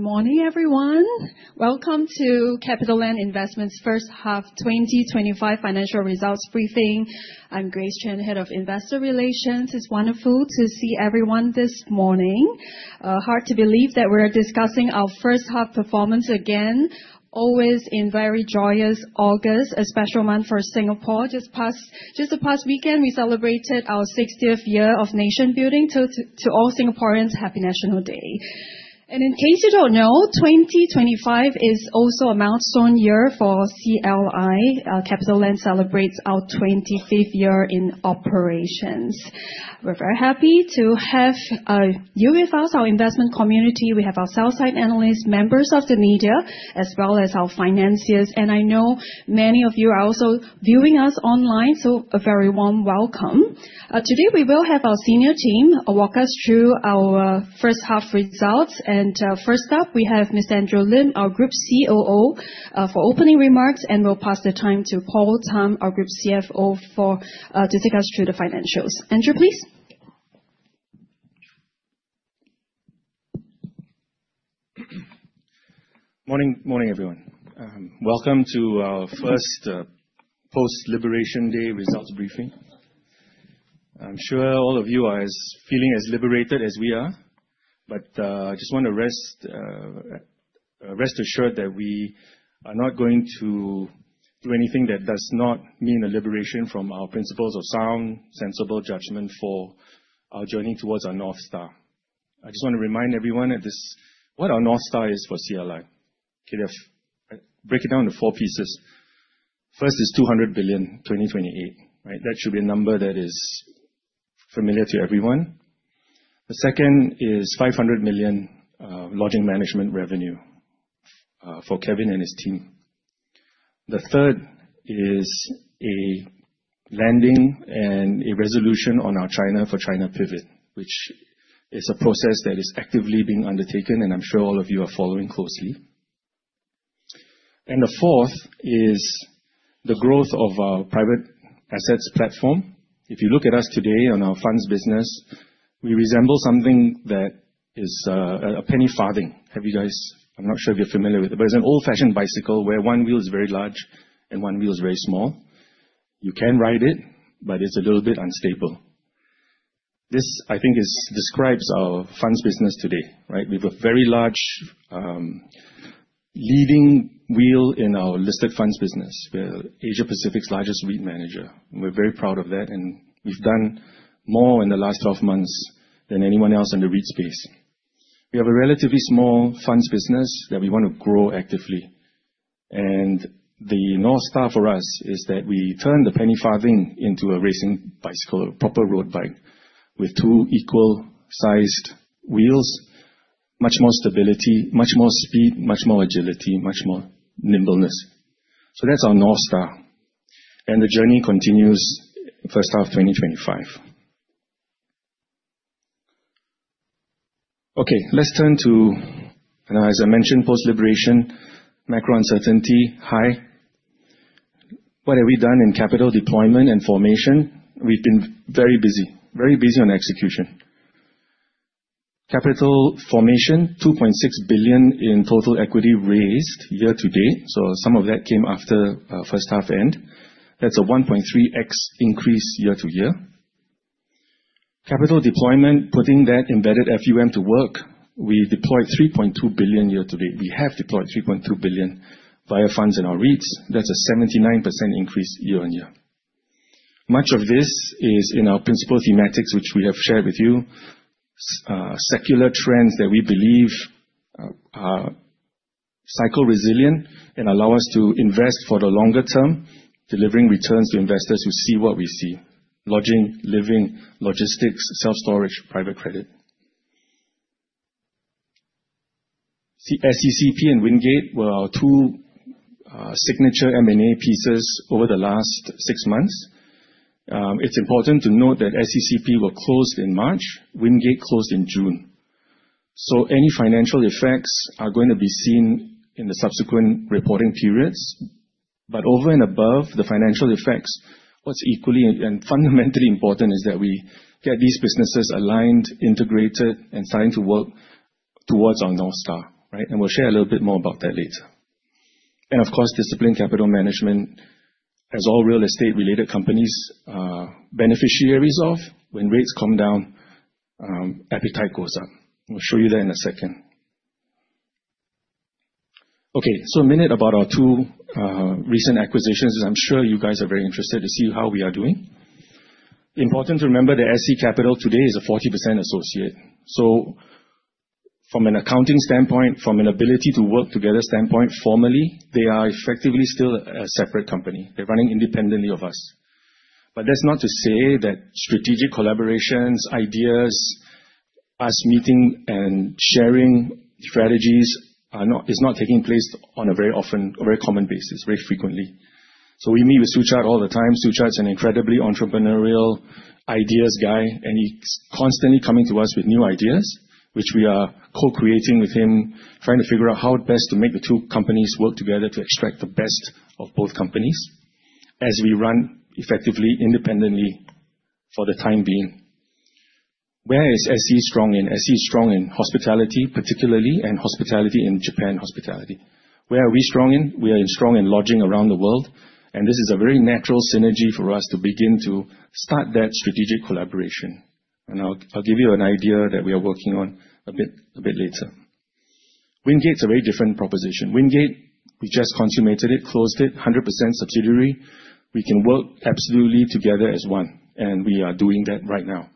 Good morning, everyone. Welcome to CapitaLand Investment's first half 2025 financial results briefing. I'm Grace Chen, Head of Investor Relations. It's wonderful to see everyone this morning. Hard to believe that we're discussing our first half performance again, always in very joyous August, a special month for Singapore. Just the past weekend, we celebrated our 60th year of nation building. To all Singaporeans, Happy National Day. In case you don't know, 2025 is also a milestone year for CLI. CapitaLand celebrates our 25th year in operations. We're very happy to have you with us, our investment community. We have our sell-side analysts, members of the media, as well as our financiers. I know many of you are also viewing us online, so a very warm welcome. Today we will have our senior team walk us through our first half results. First up, we have Mr. Andrew Lim, our Group COO, for opening remarks. We'll pass the time to Paul Tham, our Group CFO, to take us through the financials. Andrew, please? Morning, morning everyone. Welcome to our first post-Liberation Day results briefing. I'm sure all of you are feeling as liberated as we are, but I just want to rest assured that we are not going to do anything that does not mean a liberation from our principles of sound, sensible judgment for our journey towards our North Star. I just want to remind everyone of what our North Star is for CLI. I'll break it down into four pieces. First is $200 billion in 2028. That should be a number that is familiar to everyone. The second is $500 million in lodging management revenue for Kevin and his team. The third is a landing and a resolution on our China for China pivot, which is a process that is actively being undertaken, and I'm sure all of you are following closely. The fourth is the growth of our private assets platform. If you look at us today in our funds business, we resemble something that is a penny farthing. Have you guys? I'm not sure if you're familiar with it, but it's an old-fashioned bicycle where one wheel is very large and one wheel is very small. You can ride it, but it's a little bit unstable. This, I think, describes our funds business today. We have a very large leading wheel in our listed funds business. We're Asia Pacific's largest REIT manager. We're very proud of that. We've done more in the last 12 months than anyone else in the REIT space. We have a relatively small funds business that we want to grow actively. The North Star for us is that we turn the penny farthing into a racing bicycle, a proper road bike with two equal-sized wheels, much more stability, much more speed, much more agility, much more nimbleness. That's our North Star. The journey continues first half 2025. Okay, let's turn to, as I mentioned, post-Liberation, macro uncertainty high. What have we done in capital deployment and formation? We've been very busy, very busy on execution. Capital formation, $2.6 billion in total equity raised year to date. Some of that came after the first half end. That's a 1.3x increase year to year. Capital deployment, putting that embedded FUM to work, we deployed $3.2 billion year to date. We have deployed $3.2 billion via funds in our REITs. That's a 79% increase year-on-year. Much of this is in our principal thematics, which we have shared with you. Secular trends that we believe are cycle resilient and allow us to invest for the longer term, delivering returns to investors who see what we see: lodging, living, logistics, self-storage, private credit. SECP and Wingate were our two signature M&A pieces over the last six months. It's important to note that SECP were closed in March, Wingate closed in June. Any financial effects are going to be seen in the subsequent reporting periods. Over and above the financial effects, what's equally and fundamentally important is that we get these businesses aligned, integrated, and starting to work towards our North Star. We'll share a little bit more about that later. Of course, disciplined capital management, as all real estate-related companies are beneficiaries of, when rates come down, appetite goes up. We'll show you that in a second. A minute about our two recent acquisitions. I'm sure you guys are very interested to see how we are doing. Important to remember that SE Capital today is a 40% associate. From an accounting standpoint, from an ability to work together standpoint, formally, they are effectively still a separate company. They're running independently of us. That's not to say that strategic collaborations, ideas, us meeting and sharing strategies are not, it's not taking place on a very often, a very common basis, very frequently. We meet with Suchard all the time. Suchard is an incredibly entrepreneurial, ideas guy, and he's constantly coming to us with new ideas, which we are co-creating with him, trying to figure out how best to make the two companies work together to extract the best of both companies as we run effectively independently for the time being. Where is SEC strong in? SEC is strong in hospitality, particularly, and hospitality in Japan, hospitality. Where are we strong in? We are strong in lodging around the world. This is a very natural synergy for us to begin to start that strategic collaboration. I'll give you an idea that we are working on a bit later. Wingate is a very different proposition. Wingate, we just consummated it, closed it, 100% subsidiary. We can work absolutely together as one. We are doing that right now.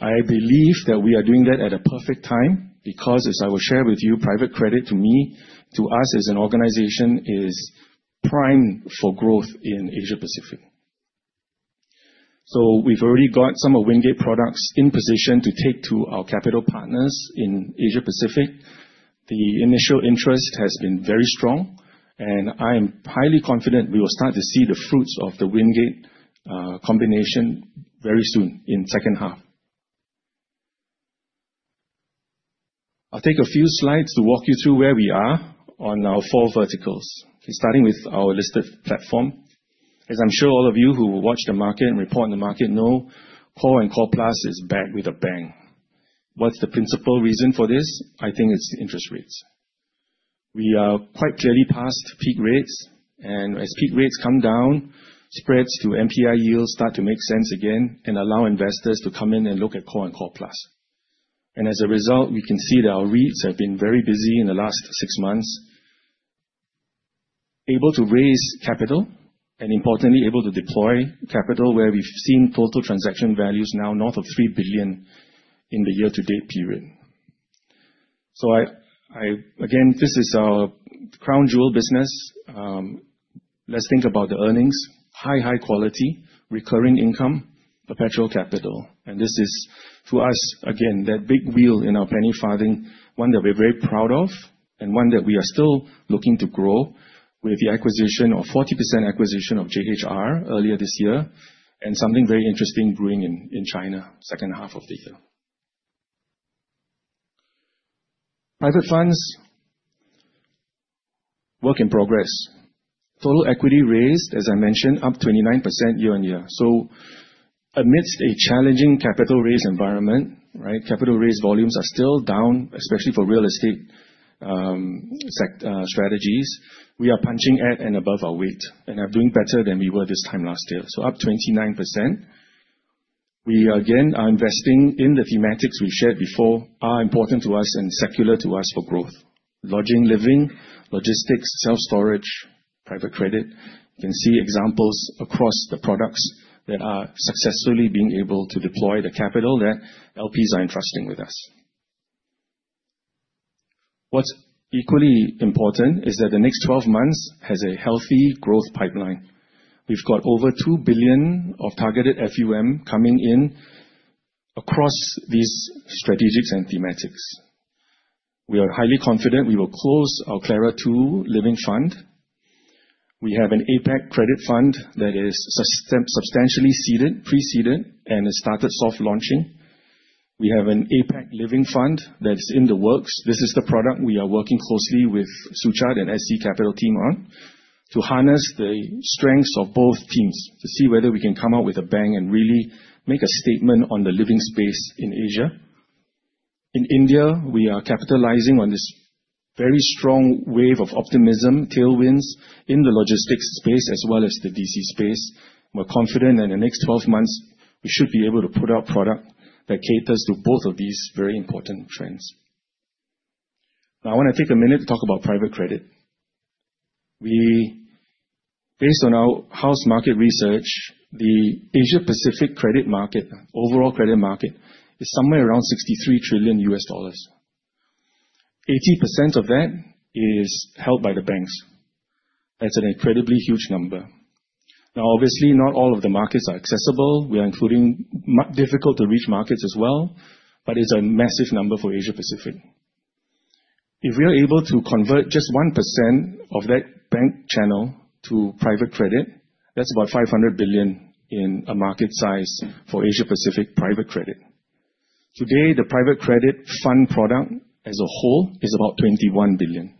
I believe that we are doing that at a perfect time because, as I will share with you, private credit to me, to us as an organization, is prime for growth in Asia Pacific. We have already got some of Wingate products in position to take to our capital partners in Asia Pacific. The initial interest has been very strong. I am highly confident we will start to see the fruits of the Wingate combination very soon in the second half. I'll take a few slides to walk you through where we are on our four verticals, starting with our listed platform. As I'm sure all of you who watch the market and report on the market know, Core and Core Plus is back with a bang. What's the principal reason for this? I think it's interest rates. We are quite clearly past peak rates. As peak rates come down, spreads to MPI yields start to make sense again and allow investors to come in and look at Core and Core Plus. As a result, we can see that our REITs have been very busy in the last six months, able to raise capital and, importantly, able to deploy capital where we've seen total transaction values now north of $3 billion in the year-to-date period. This is our crown jewel business. Let's think about the earnings. High, high quality, recurring income, perpetual capital. This is, to us, that big wheel in our penny farthing, one that we're very proud of and one that we are still looking to grow with the 40% acquisition of JHR earlier this year and something very interesting brewing in China, second half of the year. Private funds, work in progress. Total equity raised, as I mentioned, up 29% year-on-year. Amidst a challenging capital raise environment, capital raise volumes are still down, especially for real estate strategies. We are punching at and above our weight and are doing better than we were this time last year. Up 29%. We are investing in the thematics we shared before are important to us and secular to us for growth: lodging, living, logistics, self-storage, private credit. You can see examples across the products that are successfully being able to deploy the capital that LPs are entrusting with us. What's equally important is that the next 12 months has a healthy growth pipeline. We've got over $2 billion of targeted FUM coming in across these strategics and thematics. We are highly confident we will close our CLARA II Living Fund. We have an APAC Credit Fund that is substantially preceded and has started soft launching. We have an APAC Living Fund that's in the works. This is the product we are working closely with Suchard and SC Capital team on to harness the strengths of both teams to see whether we can come out with a bang and really make a statement on the living space in Asia. In India, we are capitalizing on this very strong wave of optimism, tailwinds in the logistics space as well as the DC space. We're confident in the next 12 months, we should be able to put out product that caters to both of these very important trends. I want to take a minute to talk about private credit. Based on our house market research, the Asia Pacific credit market, overall credit market, is somewhere around $63 trillion U.S. dollars. 80% of that is held by the banks. That's an incredibly huge number. Now, obviously, not all of the markets are accessible. We are including difficult-to-reach markets as well, but it's a massive number for Asia Pacific. If we are able to convert just 1% of that bank channel to private credit, that's about $500 billion in a market size for Asia Pacific private credit. Today, the private credit fund product as a whole is about $21 billion.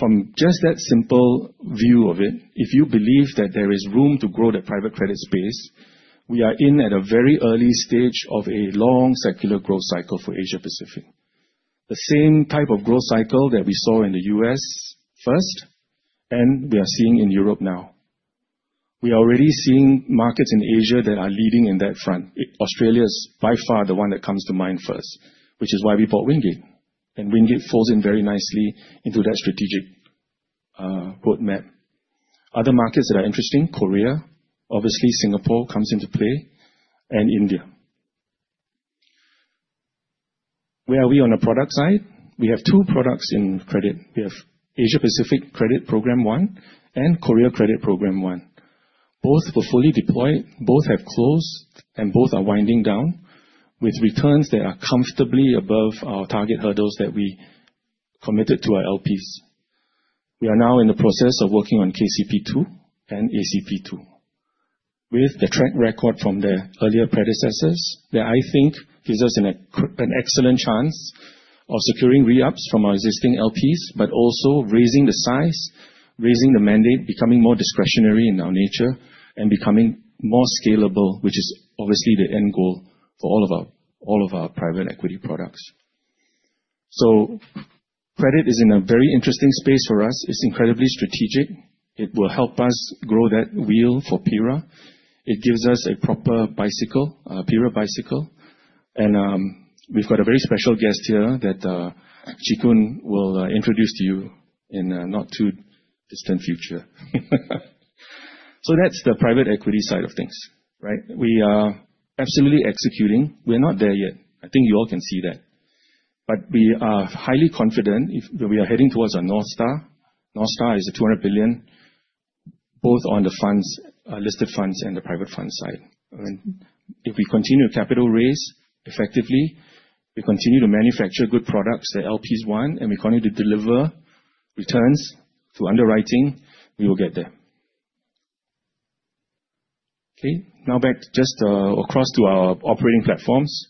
From just that simple view of it, if you believe that there is room to grow that private credit space, we are in at a very early stage of a long secular growth cycle for Asia Pacific. The same type of growth cycle that we saw in the U.S. first, and we are seeing in Europe now. We are already seeing markets in Asia that are leading in that front. Australia is by far the one that comes to mind first, which is why we bought Wingate. Wingate falls in very nicely into that strategic roadmap. Other markets that are interesting: Korea, obviously, Singapore comes into play, and India. Where are we on the product side? We have two products in credit. We have Asia Pacific Credit Program One and Korea Credit Program One. Both were fully deployed, both have closed, and both are winding down with returns that are comfortably above our target hurdles that we committed to our LPs. We are now in the process of working on KCP2 and ACP2. With the track record from the earlier predecessors, I think this is an excellent chance of securing re-ups from our existing LPs, but also raising the size, raising the mandate, becoming more discretionary in our nature, and becoming more scalable, which is obviously the end goal for all of our private equity products. Credit is in a very interesting space for us. It's incredibly strategic. It will help us grow that wheel for PIRA. It gives us a proper bicycle, a PIRA bicycle. We've got a very special guest here that Chee Koon will introduce to you in the not-too-distant future. That's the private equity side of things, right? We are absolutely executing. We're not there yet. I think you all can see that. We are highly confident that we are heading towards our North Star. North Star is a $200 billion, both on the funds, listed funds, and the private fund side. If we continue to capital raise effectively, we continue to manufacture good products that LPs want, and we continue to deliver returns to underwriting, we will get there. Now back just across to our operating platforms.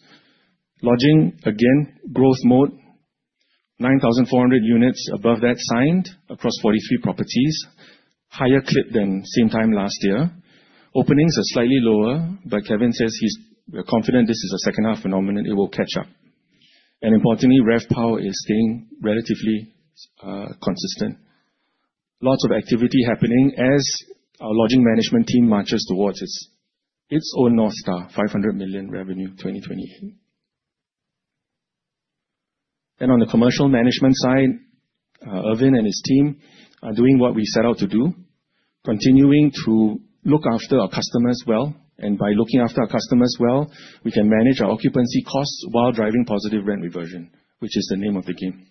Lodging, again, growth mode, 9,400 units above that signed across 43 properties, higher clip than same time last year. Openings are slightly lower, but Kevin says he's confident this is a second-half phenomenon. It will catch up. Importantly, rev power is staying relatively consistent. Lots of activity happening as our lodging management team marches towards its own North Star, $500 million revenue 2028. On the commercial management side, Ervin Yeo and his team are doing what we set out to do, continuing to look after our customers well. By looking after our customers well, we can manage our occupancy costs while driving positive rent reversion, which is the name of the game.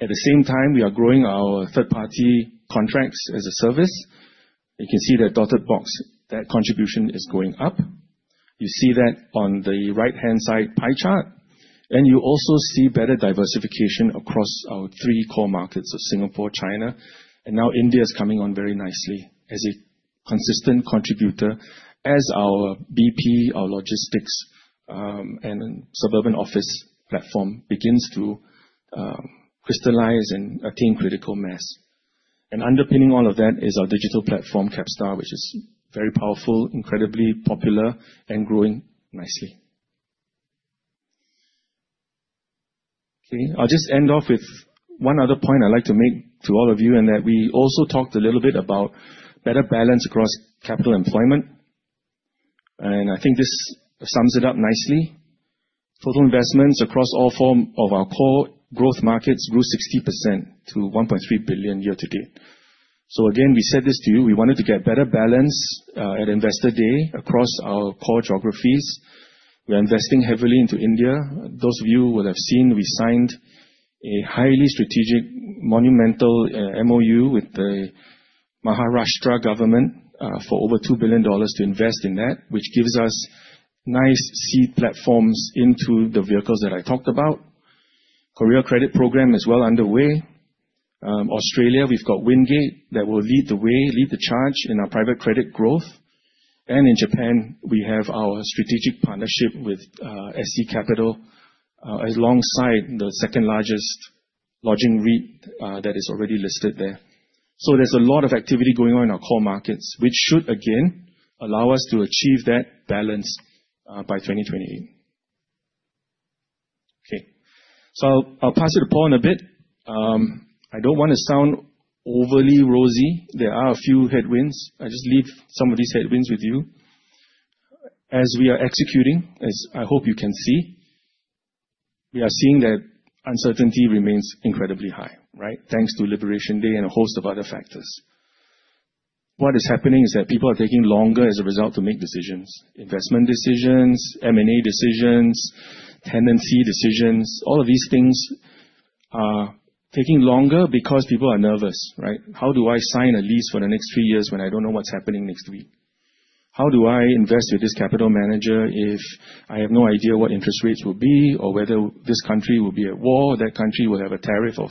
At the same time, we are growing our third-party contracts as a service. You can see the dotted box. That contribution is going up. You see that on the right-hand side pie chart. You also see better diversification across our three core markets, so Singapore, China, and now India is coming on very nicely as a consistent contributor as our BP, our logistics, and suburban office platform begins to crystallize and attain critical mass. Underpinning all of that is our digital platform, Capstar, which is very powerful, incredibly popular, and growing nicely. I'll just end off with one other point I'd like to make to all of you in that we also talked a little bit about better balance across capital employment. I think this sums it up nicely. Total investments across all four of our core growth markets grew 60% to $1.3 billion year to date. We said this to you. We wanted to get better balance at Investor Day across our core geographies. We are investing heavily into India. Those of you will have seen we signed a highly strategic, monumental MoU with the Maharashtra government for over $2 billion to invest in that, which gives us nice seed platforms into the vehicles that I talked about. The Korea Credit Program is well underway. In Australia, we've got Wingate that will lead the way, lead the charge in our private credit growth. In Japan, we have our strategic partnership with SC Capital alongside the second largest lodging REIT that is already listed there. There is a lot of activity going on in our core markets, which should, again, allow us to achieve that balance by 2028. Okay, I'll pass it to Paul in a bit. I don't want to sound overly rosy. There are a few headwinds. I just leave some of these headwinds with you. As we are executing, as I hope you can see, we are seeing that uncertainty remains incredibly high, right? Thanks to Liberation Day and a host of other factors. What is happening is that people are taking longer as a result to make decisions: investment decisions, M&A decisions, tenancy decisions. All of these things are taking longer because people are nervous, right? How do I sign a lease for the next three years when I don't know what's happening next week? How do I invest with this capital manager if I have no idea what interest rates will be or whether this country will be at war or that country will have a tariff of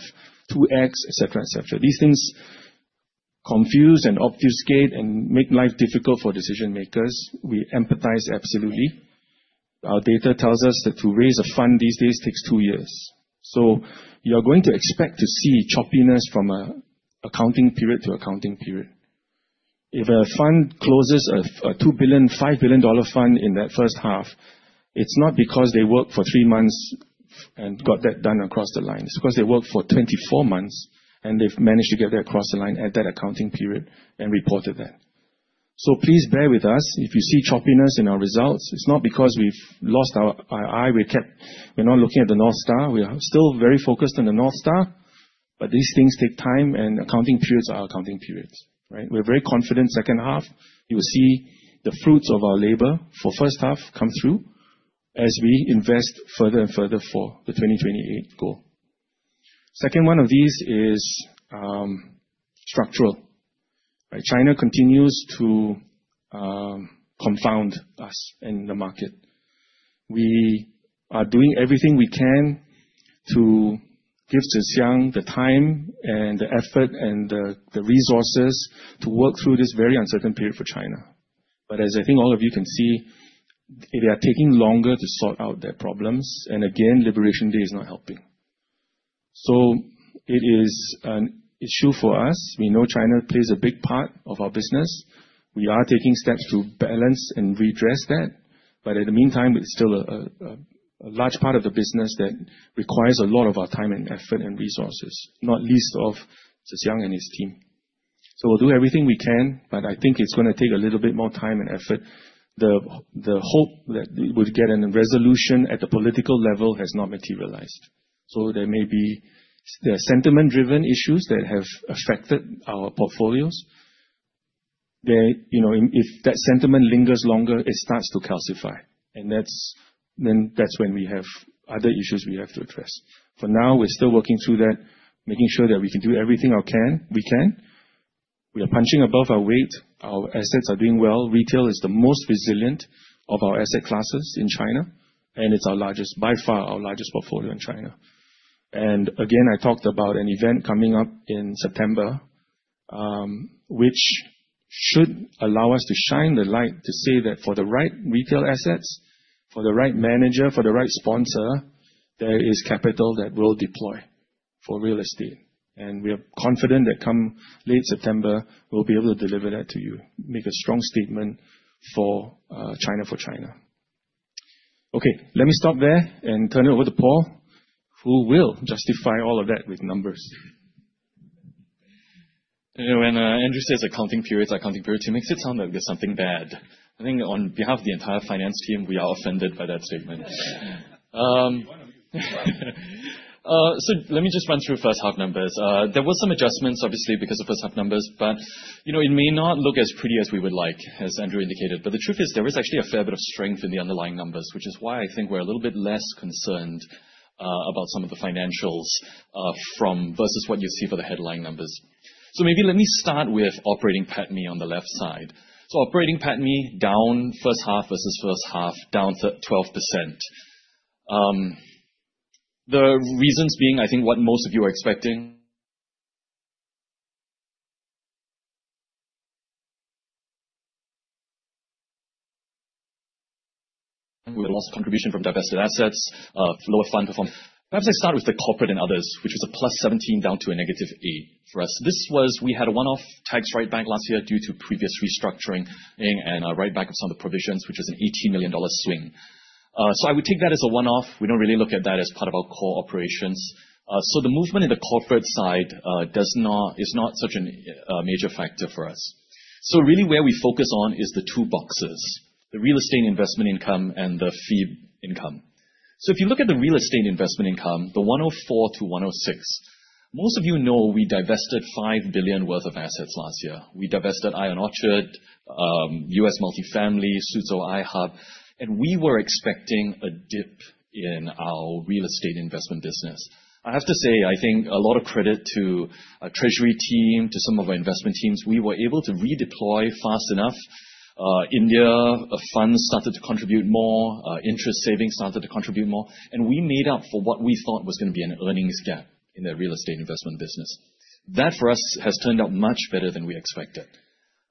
2x, etc., etc.? These things confuse and obfuscate and make life difficult for decision-makers. We empathize absolutely. Our data tells us that to raise a fund these days takes two years. You're going to expect to see choppiness from an accounting period to accounting period. If a fund closes a $2 billion, $5 billion fund in that first half, it's not because they worked for three months and got that done across the line. It's because they worked for 24 months and they've managed to get that across the line at that accounting period and reported that. Please bear with us. If you see choppiness in our results, it's not because we've lost our eye. We're not looking at the North Star. We are still very focused on the North Star. These things take time, and accounting periods are accounting periods, right? We're very confident second half, you will see the fruits of our labor for the first half come through as we invest further and further for the 2028 goal. The second one of these is structural. China continues to confound us in the market. We are doing everything we can to give Zhenxiang the time and the effort and the resources to work through this very uncertain period for China. As I think all of you can see, they are taking longer to sort out their problems. Liberation Day is not helping. It is an issue for us. We know China plays a big part of our business. We are taking steps to balance and redress that. In the meantime, it's still a large part of the business that requires a lot of our time and effort and resources, not least of Zhenxiang and his team. We will do everything we can, but I think it's going to take a little bit more time and effort. The hope that it would get a resolution at the political level has not materialized. There may be sentiment-driven issues that have affected our portfolios. If that sentiment lingers longer, it starts to calcify. That's when we have other issues we have to address. For now, we're still working through that, making sure that we can do everything we can. We are punching above our weight. Our assets are doing well. Retail is the most resilient of our asset classes in China. It's our largest, by far, our largest portfolio in China. I talked about an event coming up in September, which should allow us to shine the light to say that for the right retail assets, for the right manager, for the right sponsor, there is capital that we'll deploy for real estate. We are confident that come late September, we'll be able to deliver that to you, make a strong statement for China for China. Let me stop there and turn it over to Paul, who will justify all of that with numbers. When Andrew says accounting periods, accounting periods, he makes it sound like there's something bad. I think on behalf of the entire finance team, we are offended by that statement. Let me just run through first half numbers. There were some adjustments, obviously, because of first half numbers, but you know it may not look as pretty as we would like, as Andrew indicated. The truth is there is actually a fair bit of strength in the underlying numbers, which is why I think we're a little bit less concerned about some of the financials versus what you see for the headline numbers. Maybe let me start with operating PATMI on the left side. Operating PATMI down first half versus first half, down to 12%. The reasons being, I think, what most of you are expecting. We lost contribution from divested assets, lower fund performance. Perhaps I start with the corporate and others, which was a +17 down to a -8 for us. This was, we had a one-off tax write-back last year due to previous restructuring and a write-back of some of the provisions, which was an $18 million swing. I would take that as a one-off. We don't really look at that as part of our core operations. The movement in the corporate side is not such a major factor for us. Really where we focus on is the two boxes: the real estate investment income and the fee income. If you look at the real estate investment income, the $104 million-$106 million, most of you know we divested $5 billion worth of assets last year. We divested Ion Orchard, US Multifamily, Suzhou iHub. We were expecting a dip in our real estate investment business. I have to say, I think a lot of credit to our treasury team, to some of our investment teams, we were able to redeploy fast enough. India funds started to contribute more. Interest savings started to contribute more. We made up for what we thought was going to be an earnings gap in the real estate investment business. That for us has turned out much better than we expected.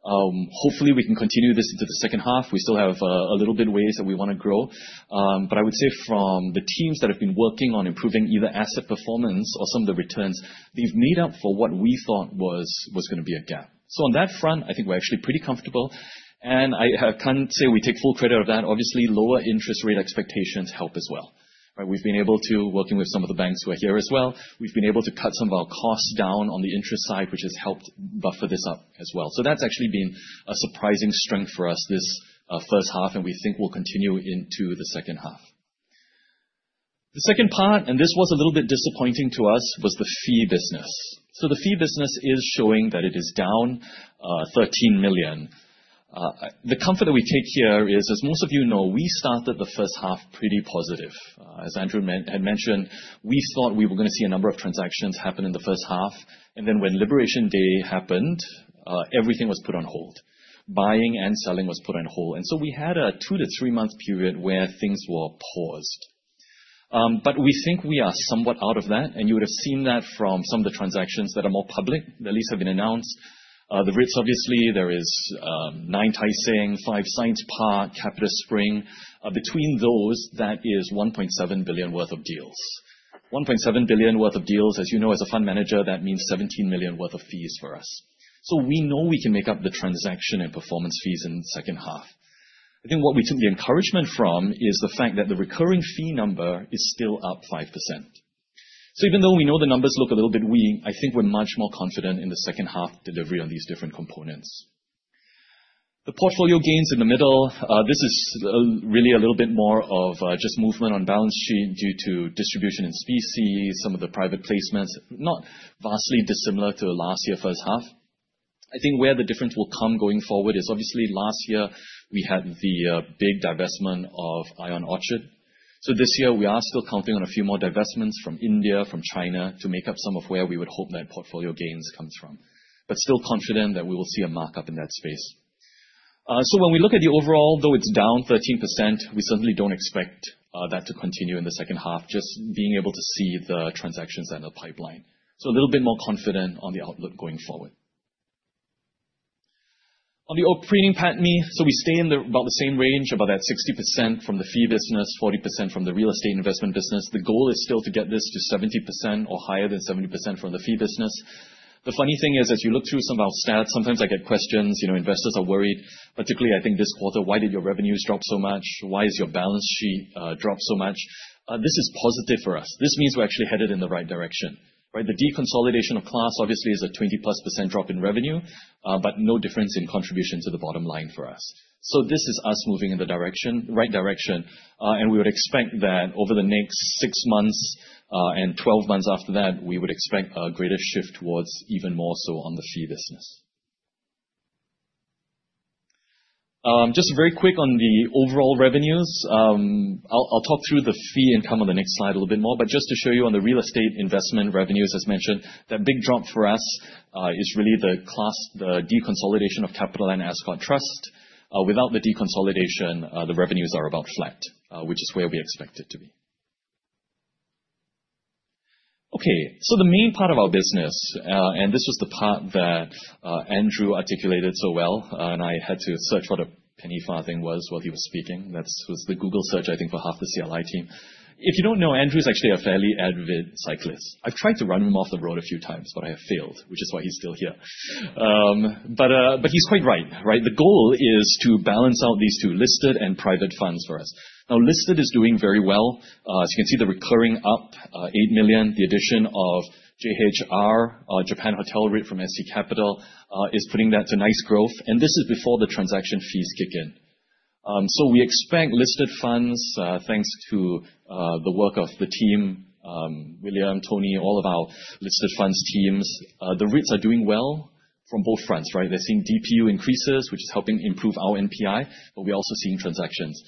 Hopefully, we can continue this into the second half. We still have a little bit ways that we want to grow. I would say from the teams that have been working on improving either asset performance or some of the returns, we've made up for what we thought was going to be a gap. On that front, I think we're actually pretty comfortable. I can't say we take full credit of that. Obviously, lower interest rate expectations help as well. We've been able to, working with some of the banks who are here as well, we've been able to cut some of our costs down on the interest side, which has helped buffer this up as well. That's actually been a surprising strength for us this first half. We think we'll continue into the second half. The second part, and this was a little bit disappointing to us, was the fee business. The fee business is showing that it is down $13 million. The comfort that we take here is, as most of you know, we started the first half pretty positive. As Andrew had mentioned, we thought we were going to see a number of transactions happen in the first half. When Liberation Day happened, everything was put on hold. Buying and selling was put on hold. We had a two to three-month period where things were paused. We think we are somewhat out of that. You would have seen that from some of the transactions that are more public. The lease has been announced. The Ritz, obviously, there is 9 Tai Seng, 5 Science Park, Capital Spring. Between those, that is $1.7 billion worth of deals. $1.7 billion worth of deals, as you know, as a fund manager, that means $17 million worth of fees for us. We know we can make up the transaction and performance fees in the second half. What we took encouragement from is the fact that the recurring fee number is still up 5%. Even though we know the numbers look a little bit weak, we are much more confident in the second half delivery on these different components. The portfolio gains in the middle, this is really a little bit more of just movement on balance sheet due to distribution in specie, some of the private placements, not vastly dissimilar to last year's first half. Where the difference will come going forward is, obviously, last year we had the big divestment of ION Orchard. This year, we are still counting on a few more divestments from India, from China, to make up some of where we would hope that portfolio gains comes from. Still confident that we will see a markup in that space. When we look at the overall, though it's down 13%, we certainly don't expect that to continue in the second half, just being able to see the transactions that are in the pipeline. A little bit more confident on the outlook going forward. On the operating PATMI, we stay in about the same range, about that 60% from the fee business, 40% from the real estate investment business. The goal is still to get this to 70% or higher than 70% from the fee business. The funny thing is, as you look through some of our stats, sometimes I get questions, you know, investors are worried, particularly, I think this quarter, why did your revenues drop so much? Why has your balance sheet dropped so much? This is positive for us. This means we're actually headed in the right direction. The deconsolidation of CLAS, obviously, is a 20+% drop in revenue, but no difference in contribution to the bottom line for us. This is us moving in the right direction. We would expect that over the next six months and 12 months after that, we would expect a greater shift towards even more so on the fee business. Just very quick on the overall revenues, I'll talk through the fee income on the next slide a little bit more. Just to show you on the real estate investment revenues, as mentioned, that big drop for us is really the class, the deconsolidation of CapitaLand Ascott Trust. Without the deconsolidation, the revenues are about flat, which is where we expect it to be. The main part of our business, and this was the part that Andrew articulated so well, and I had to search what a penny farthing was while he was speaking. That was the Google search, I think, for half the CLI team. If you don't know, Andrew is actually a fairly avid cyclist. I've tried to run him off the road a few times, but I have failed, which is why he's still here. He's quite right, right? The goal is to balance out these two, listed and private funds, for us. Now, listed is doing very well. As you can see, the recurring up, $8 million, the addition of JHR, Japan Hotel REIT from SC Capital Partners, is putting that to nice growth. This is before the transaction fees kick in. We expect listed funds, thanks to the work of the team, William, Tony, all of our listed funds teams. The REITs are doing well from both fronts, right? They're seeing DPU increases, which is helping improve our NPI, but we're also seeing transactions.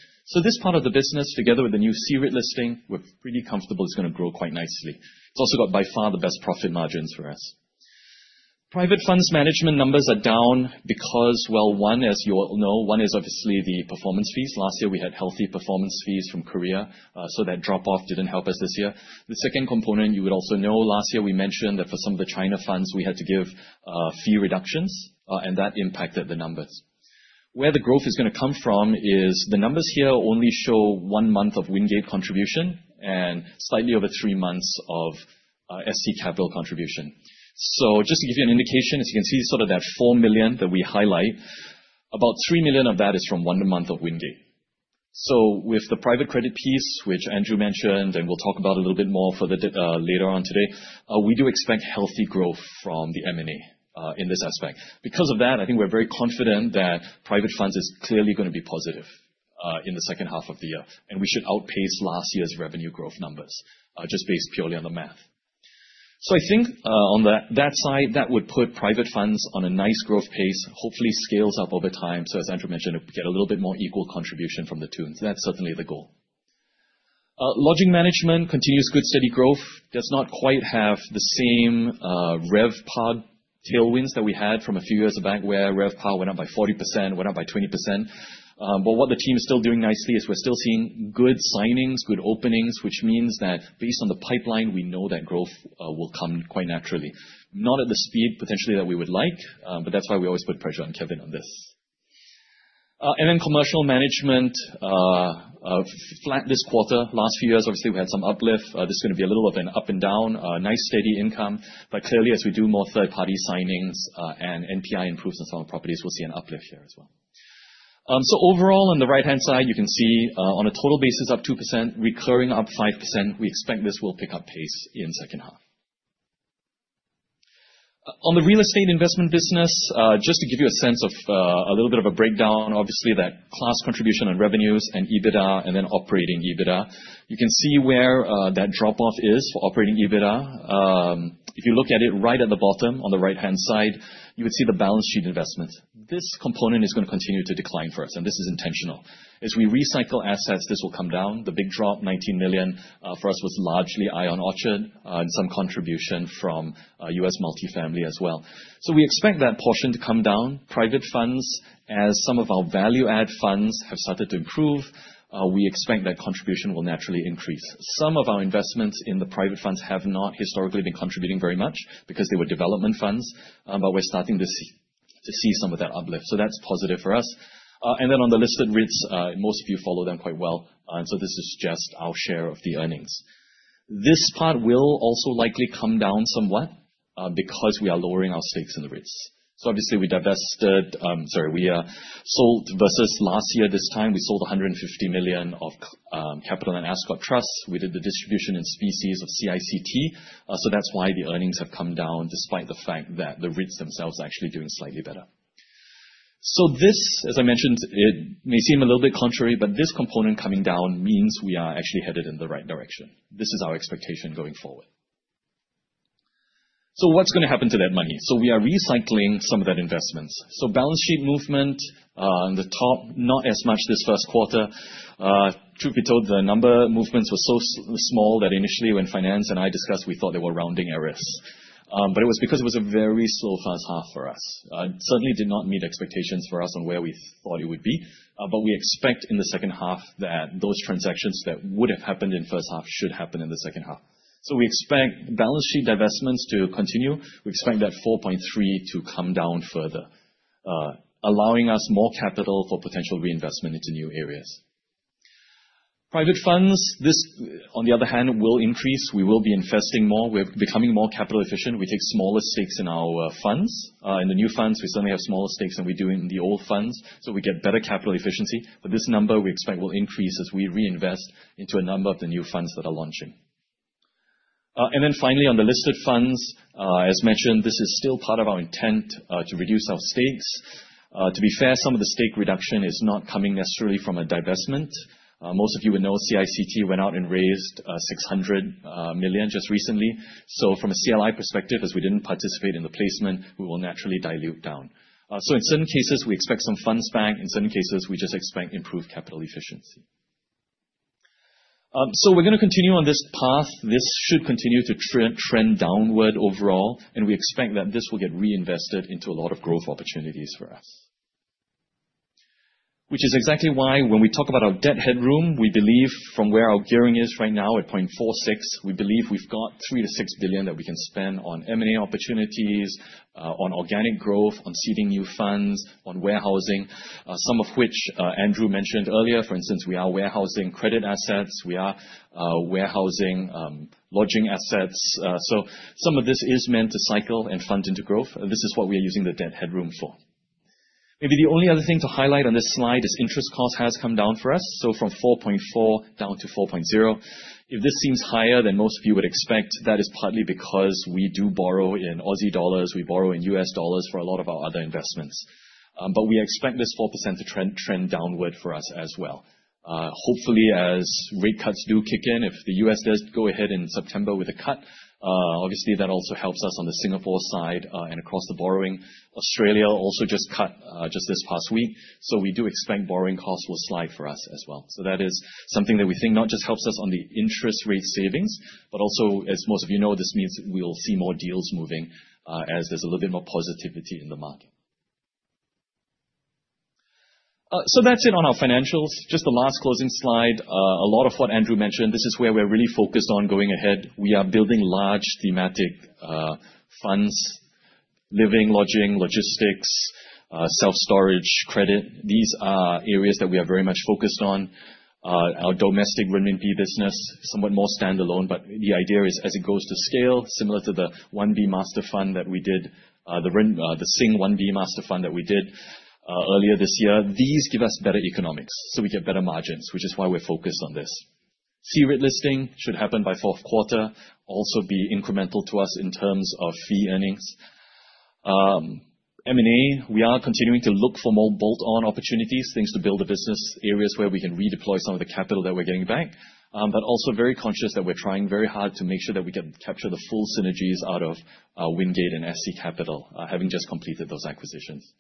This part of the business, together with the new C-REIT listing, we're pretty comfortable it's going to grow quite nicely. It's also got by far the best profit margins for us. Private funds management numbers are down because, well, one, as you all know, one is obviously the performance fees. Last year, we had healthy performance fees from Korea. That drop-off didn't help us this year. The second component, you would also know, last year we mentioned that for some of the China funds, we had to give fee reductions, and that impacted the numbers. Where the growth is going to come from is the numbers here only show one month of Wingate contribution and slightly over three months of SC Capital contribution. Just to give you an indication, as you can see, sort of that $4 million that we highlight, about $3 million of that is from one month of Wingate. With the private credit piece, which Andrew mentioned, and we'll talk about a little bit more further later on today, we do expect healthy growth from the M&A in this aspect. Because of that, I think we're very confident that private funds are clearly going to be positive in the second half of the year. We should outpace last year's revenue growth numbers just based purely on the math. I think on that side, that would put private funds on a nice growth pace, hopefully scales up over time. As Andrew mentioned, we get a little bit more equal contribution from the tunes. That's certainly the goal. Lodging management continues good steady growth. It does not quite have the same RevPAR tailwinds that we had from a few years back where RevPAR went up by 40%, went up by 20%. What the team is still doing nicely is we're still seeing good signings, good openings, which means that based on the pipeline, we know that growth will come quite naturally. Not at the speed potentially that we would like, but that's why we always put pressure on Kevin on this. Commercial management, flat this quarter. Last few years, obviously, we had some uplift. This is going to be a little bit of an up and down, nice steady income. Clearly, as we do more third-party signings and NPI improves in some of the properties, we'll see an uplift here as well. Overall, on the right-hand side, you can see on a total basis up 2%, recurring up 5%. We expect this will pick up pace in the second half. On the real estate investment business, just to give you a sense of a little bit of a breakdown, obviously, that class contribution on revenues and EBITDA and then operating EBITDA, you can see where that drop-off is for operating EBITDA. If you look at it right at the bottom on the right-hand side, you would see the balance sheet investments. This component is going to continue to decline for us, and this is intentional. As we recycle assets, this will come down. The big drop, $19 million, for us was largely Ion Orchard and some contribution from US Multifamily as well. We expect that portion to come down. Private funds, as some of our value-add funds have started to improve, we expect that contribution will naturally increase. Some of our investments in the private funds have not historically been contributing very much because they were development funds, but we're starting to see some of that uplift. That's positive for us. On the listed REITs, most of you follow them quite well. This is just our share of the earnings. This part will also likely come down somewhat because we are lowering our stakes in the REITs. We divested, sorry, we sold versus last year this time, we sold $150 million of CapitaLand Ascott Trust. We did the distribution in specie of CICT. That's why the earnings have come down despite the fact that the REITs themselves are actually doing slightly better. As I mentioned, it may seem a little bit contrary, but this component coming down means we are actually headed in the right direction. This is our expectation going forward. What's going to happen to that money? We are recycling some of that investment. Balance sheet movement on the top, not as much this first quarter. Truth be told, the number of movements were so small that initially, when finance and I discussed, we thought they were rounding errors. It was because it was a very slow first half for us. It certainly did not meet expectations for us on where we thought it would be. We expect in the second half that those transactions that would have happened in the first half should happen in the second half. We expect balance sheet divestments to continue. We expect that $4.3 billion to come down further, allowing us more capital for potential reinvestment into new areas. Private funds, this, on the other hand, will increase. We will be investing more. We're becoming more capital efficient. We take smaller stakes in our funds. In the new funds, we certainly have smaller stakes than we do in the old funds. We get better capital efficiency. This number we expect will increase as we reinvest into a number of the new funds that are launching. Finally, on the listed funds, as mentioned, this is still part of our intent to reduce our stakes. To be fair, some of the stake reduction is not coming necessarily from a divestment. Most of you would know CICT went out and raised $600 million just recently. From a CLI perspective, as we didn't participate in the placement, we will naturally dilute down. In certain cases, we expect some funds back. In certain cases, we just expect improved capital efficiency. We're going to continue on this path. This should continue to trend downward overall. We expect that this will get reinvested into a lot of growth opportunities for us, which is exactly why when we talk about our debt headroom, we believe from where our gearing is right now at 0.46, we've got $3 billion-$6 billion that we can spend on M&A opportunities, on organic growth, on seeding new funds, on warehousing, some of which Andrew mentioned earlier. For instance, we are warehousing credit assets. We are warehousing lodging assets. Some of this is meant to cycle and fund into growth. This is what we're using the debt headroom for. Maybe the only other thing to highlight on this slide is interest cost has come down for us, from 4.4% down to 4.0%. If this seems higher than most of you would expect, that is partly because we do borrow in Aussie dollars. We borrow in U.S. dollars for a lot of our other investments. We expect this 4% to trend downward for us as well. Hopefully, as rate cuts do kick in, if the U.S. does go ahead in September with a cut, obviously that also helps us on the Singapore side and across the borrowing. Australia also just cut just this past week. We do expect borrowing costs will slide for us as well. That is something that we think not just helps us on the interest rate savings, but also, as most of you know, this means we'll see more deals moving as there's a little bit more positivity in the market. That's it on our financials. Just the last closing slide, a lot of what Andrew mentioned, this is where we're really focused on going ahead. We are building large thematic funds: living, lodging, logistics, self-storage, credit. These are areas that we are very much focused on. Our domestic renminbi business is somewhat more standalone, but the idea is, as it goes to scale, similar to the renminbi master fund that we did, the renminbi master fund that we did earlier this year, these give us better economics. We get better margins, which is why we're focused on this. China listing should happen by fourth quarter, also be incremental to us in terms of fee earnings. M&A, we are continuing to look for more bolt-on opportunities, things to build the business, areas where we can redeploy some of the capital that we're getting back. We are also very conscious that we're trying very hard to make sure that we can capture the full synergies out of Wingate and SC Capital having just completed those acquisitions.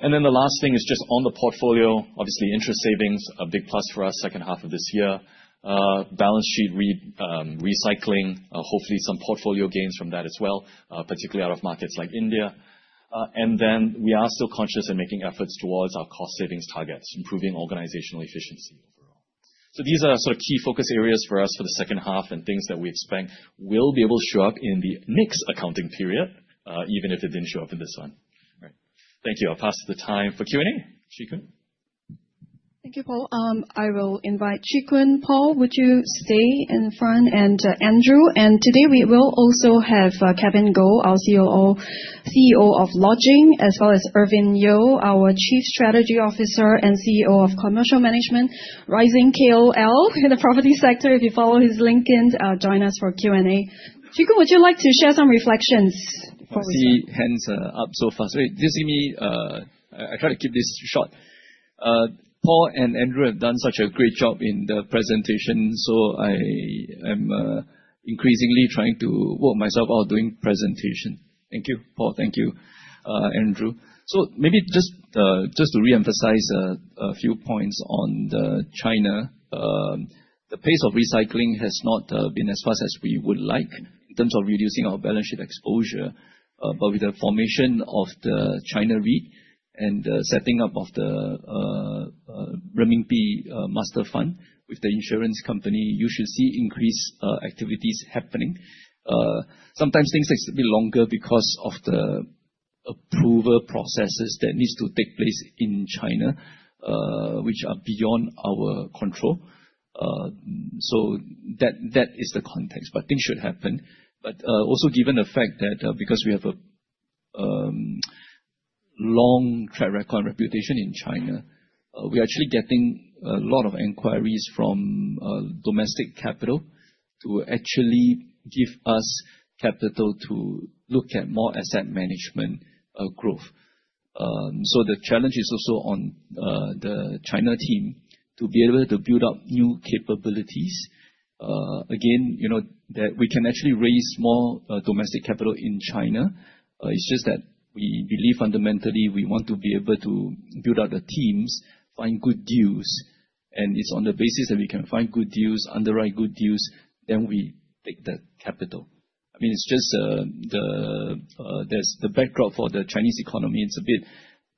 The last thing is just on the portfolio, obviously, interest savings, a big plus for us second half of this year. Balance sheet recycling, hopefully some portfolio gains from that as well, particularly out of markets like India. We are still conscious and making efforts towards our cost savings targets, improving organizational efficiency overall. These are sort of key focus areas for us for the second half and things that we expect will be able to show up in the next accounting period, even if it didn't show up in this one. Thank you. I'll pass the time for Q&A. Chee Koon. Thank you, Paul. I will invite Chee Koon. Paul, would you stay in front? Andrew. Today we will also have Kevin Goh, our COO, CEO of Lodging, as well as Ervin Yeo, our Chief Strategy Officer and CEO of Commercial Management, rising KOL in the property sector. If you follow his LinkedIn, join us for Q&A. Chee Koon, would you like to share some reflections? Let me hands up so fast. Wait, did you see me? I try to keep this short. Paul and Andrew have done such a great job in the presentation. I am increasingly trying to work myself out doing presentation. Thank you, Paul. Thank you, Andrew. Maybe just to reemphasize a few points on China. The pace of recycling has not been as fast as we would like in terms of reducing our balance sheet exposure. With the formation of the China REIT and the setting up of the renminbi master fund with the insurance company, you should see increased activities happening. Sometimes things take a bit longer because of the approval processes that need to take place in China, which are beyond our control. That is the context. Things should happen. Given the fact that because we have a long track record and reputation in China, we're actually getting a lot of inquiries from domestic capital to actually give us capital to look at more asset management growth. The challenge is also on the China team to be able to build up new capabilities. Again, you know that we can actually raise more domestic capital in China. It's just that we believe fundamentally we want to be able to build out the teams, find good deals. It's on the basis that we can find good deals, underwrite good deals, then we take the capital. I mean, it's just the backdrop for the Chinese economy. It's a bit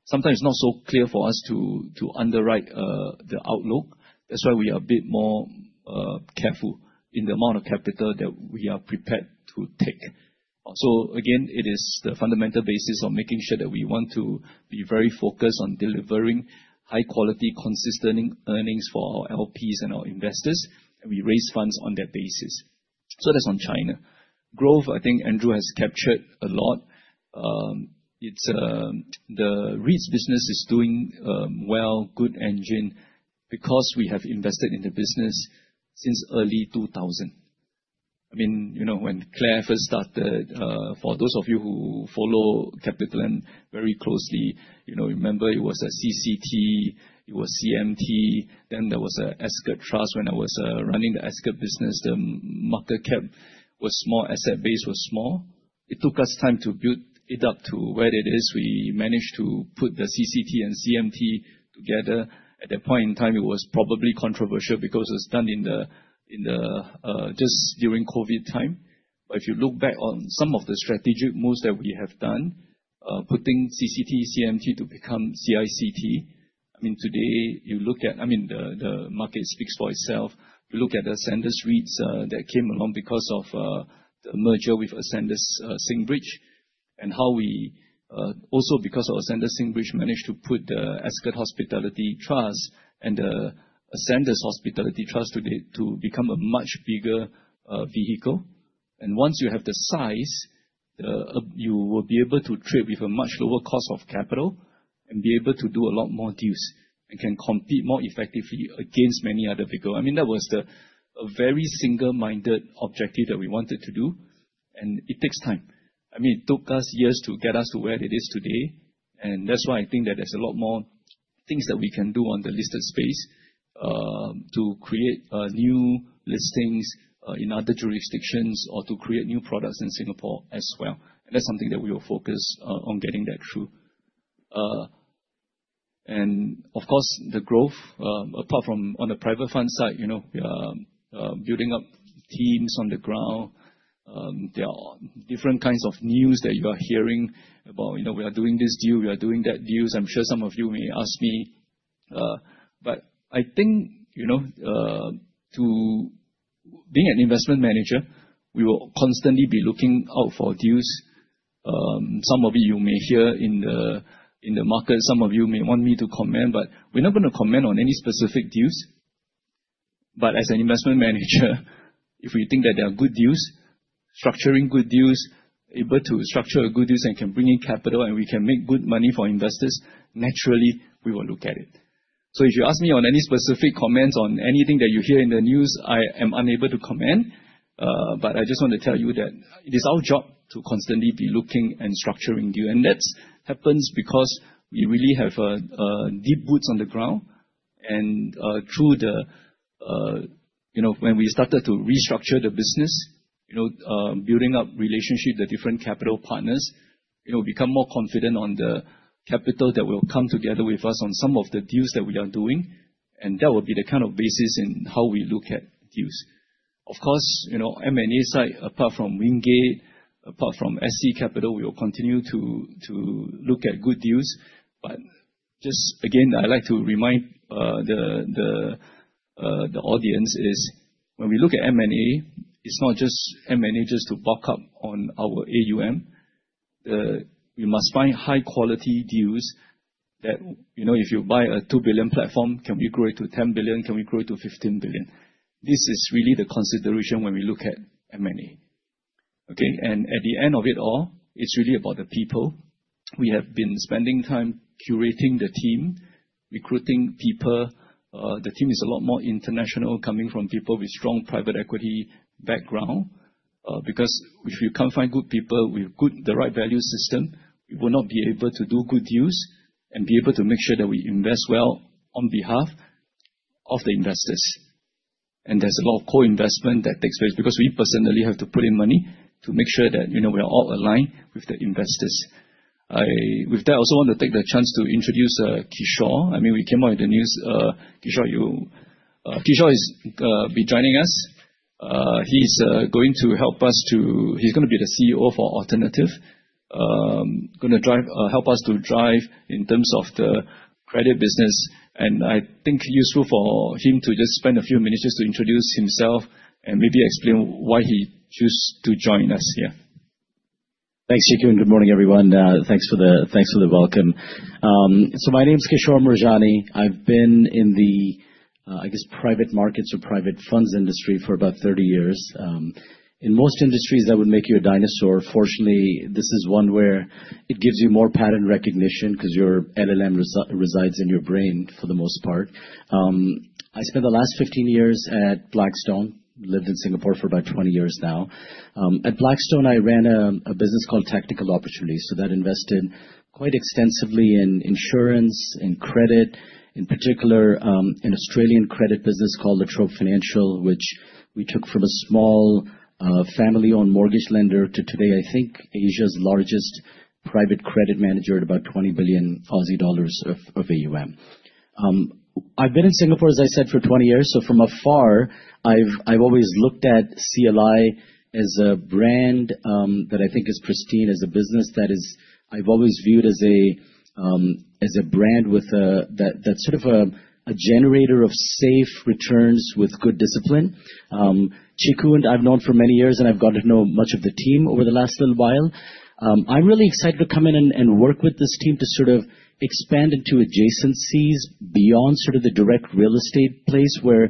sometimes not so clear for us to underwrite the outlook. That's why we are a bit more careful in the amount of capital that we are prepared to take. It is the fundamental basis of making sure that we want to be very focused on delivering high quality, consistent earnings for our LPs and our investors. We raise funds on that basis. That's on China. Growth, I think Andrew has captured a lot. The REITs business is doing well, good engine, because we have invested in the business since early 2000. I mean, you know when Claire first started, for those of you who follow CapitaLand very closely, you know remember it was a CCT, it was CMT, then there was an Ascott Trust. When I was running the Ascott business, the market cap was small, asset base was small. It took us time to build it up to where it is. We managed to put the CCT and CMT together. At that point in time, it was probably controversial because it was done just during COVID time. If you look back on some of the strategic moves that we have done, putting CCT and CMT together to become the market speaks for itself. You look at the Ascendas REITs that came along because of the merger with Ascendas Singbridge and how we also, because of Ascendas-Singbridge, managed to put the Ascott Hospitality Trust and the Ascendas Hospitality Trust today to become a much bigger vehicle. Once you have the size, you will be able to trade with a much lower cost of capital and be able to do a lot more deals and can compete more effectively against many other vehicles. That was a very single-minded objective that we wanted to do. It takes time. It took us years to get us to where it is today. That is why I think that there are a lot more things that we can do on the listed space to create new listings in other jurisdictions or to create new products in Singapore as well. That is something that we will focus on getting through. Of course, the growth, apart from on the private fund side, we are building up teams on the ground. There are different kinds of news that you are hearing about. We are doing this deal, we are doing that deal. I am sure some of you may ask me. To be an investment manager, we will constantly be looking out for deals. Some of it you may hear in the market, some of you may want me to comment, but we are not going to comment on any specific deals. As an investment manager, if we think that there are good deals, structuring good deals, able to structure good deals and can bring in capital and we can make good money for investors, naturally, we will look at it. If you ask me on any specific comments on anything that you hear in the news, I am unable to comment. I just want to tell you that it is our job to constantly be looking and structuring deals. That happens because we really have deep roots on the ground. When we started to restructure the business, building up relationships with the different capital partners, we become more confident on the capital that will come together with us on some of the deals that we are doing. That will be the kind of basis in how we look at deals. Of course, on the M&A side, apart from Wingate, apart from SC Capital, we will continue to look at good deals. Just again, I like to remind the audience when we look at M&A, it's not just M&A to buck up on our AUM. We must find high-quality deals that, you know, if you buy a $2 billion platform, can we grow it to $10 billion? Can we grow it to $15 billion? This is really the consideration when we look at M&A. At the end of it all, it's really about the people. We have been spending time curating the team, recruiting people. The team is a lot more international, coming from people with strong private equity background. If you can't find good people with the right value system, we will not be able to do good deals and be able to make sure that we invest well on behalf of the investors. There's a lot of co-investment that takes place because we personally have to put in money to make sure that, you know, we are all aligned with the investors. With that, I also want to take the chance to introduce Kishore. We came out with the news. Kishore will be joining us. He's going to help us, he's going to be the CEO for Alternative, going to help us to drive in terms of the credit business. I think it's useful for him to just spend a few minutes to introduce himself and maybe explain why he chose to join us here. Thanks, Chee Koon. Good morning, everyone. Thanks for the welcome. My name is Kishore Moorjani. I've been in the private markets or private funds industry for about 30 years. In most industries, that would make you a dinosaur. Fortunately, this is one where it gives you more pattern recognition because your LLM resides in your brain for the most part. I spent the last 15 years at Blackstone. I've lived in Singapore for about 20 years now. At Blackstone, I ran a business called Tactical Opportunities. That invested quite extensively in insurance and credit, in particular, an Australian credit business called La Trobe Financial, which we took from a small family-owned mortgage lender to today, I think, Asia's largest private credit manager at about $20 billion of AUM. I've been in Singapore, as I said, for 20 years. From afar, I've always looked at CLI as a brand that I think is pristine, as a business that I've always viewed as a brand that's sort of a generator of safe returns with good discipline. Chee Koon, I've known for many years, and I've gotten to know much of the team over the last little while. I'm really excited to come in and work with this team to expand into adjacencies beyond the direct real estate place where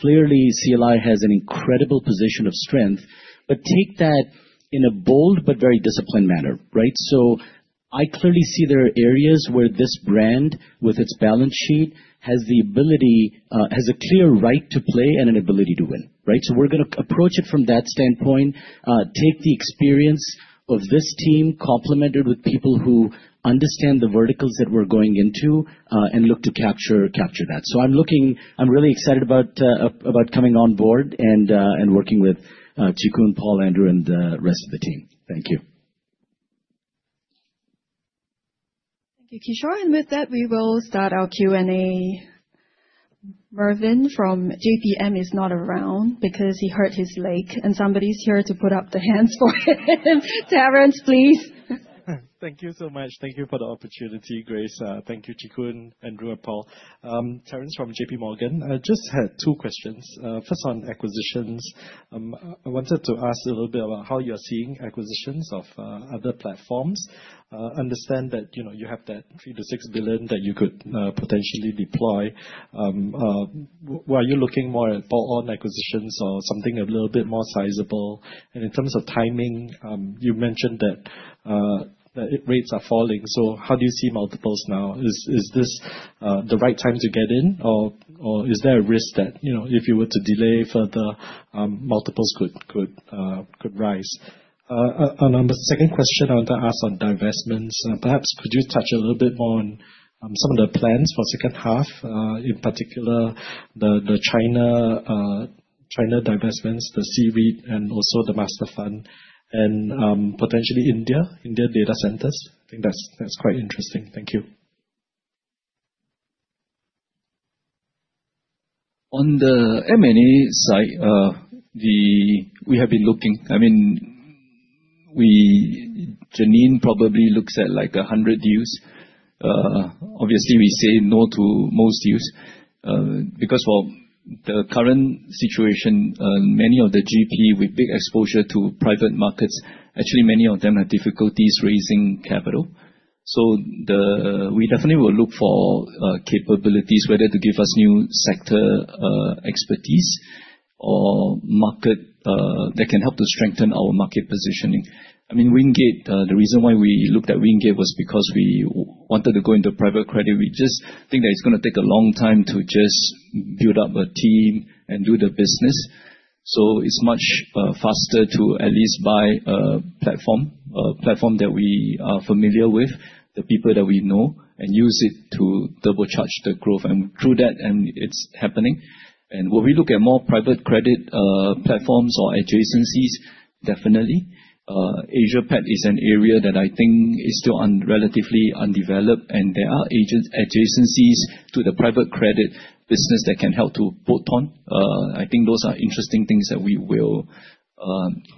clearly CLI has an incredible position of strength, but take that in a bold but very disciplined manner, right? I clearly see there are areas where this brand, with its balance sheet, has the ability, has a clear right to play and an ability to win, right? We're going to approach it from that standpoint, take the experience of this team, complement it with people who understand the verticals that we're going into and look to capture that. I'm really excited about coming on board and working with Chee Koon, Paul, Andrew, and the rest of the team. Thank you. Thank you, Kishore. With that, we will start our Q&A. Mervyn from JP and is not around because he hurt his leg. Somebody is here to put up the hands for him. Terrence, please. Thank you so much. Thank you for the opportunity, Grace. Thank you, Chee Koon, Andrew, and Paul. Terrence from JPMorgan. I just had two questions. First on acquisitions. I wanted to ask a little bit about how you're seeing acquisitions of other platforms. I understand that you have that $3 billion-$6 billion that you could potentially deploy. Were you looking more at full-on acquisitions or something a little bit more sizable? In terms of timing, you mentioned that rates are falling. How do you see multiples now? Is this the right time to get in, or is there a risk that, you know, if you were to delay further, multiples could rise? On the second question, I want to ask on divestments. Perhaps could you touch a little bit more on some of the plans for the second half, in particular the China divestments, the C-REIT, and also the master fund, and potentially India, India data centers? I think that's quite interesting. Thank you. On the M&A side, we have been looking, I mean, Janine probably looks at like 100 deals. Obviously, we say no to most deals because for the current situation and many of the GP with big exposure to private markets, actually, many of them have difficulties raising capital. We definitely will look for capabilities, whether to give us new sector expertise or market that can help to strengthen our market positioning. I mean, Wingate, the reason why we looked at Wingate was because we wanted to go into private credit. We just think that it's going to take a long time to just build up a team and do the business. It's much faster to at least buy a platform, a platform that we are familiar with, the people that we know, and use it to double charge the growth. Through that, it's happening. Will we look at more private credit platforms or adjacencies? Definitely. Asia-Pac is an area that I think is still relatively undeveloped. There are adjacencies to the private credit business that can help to bolt on. I think those are interesting things that we will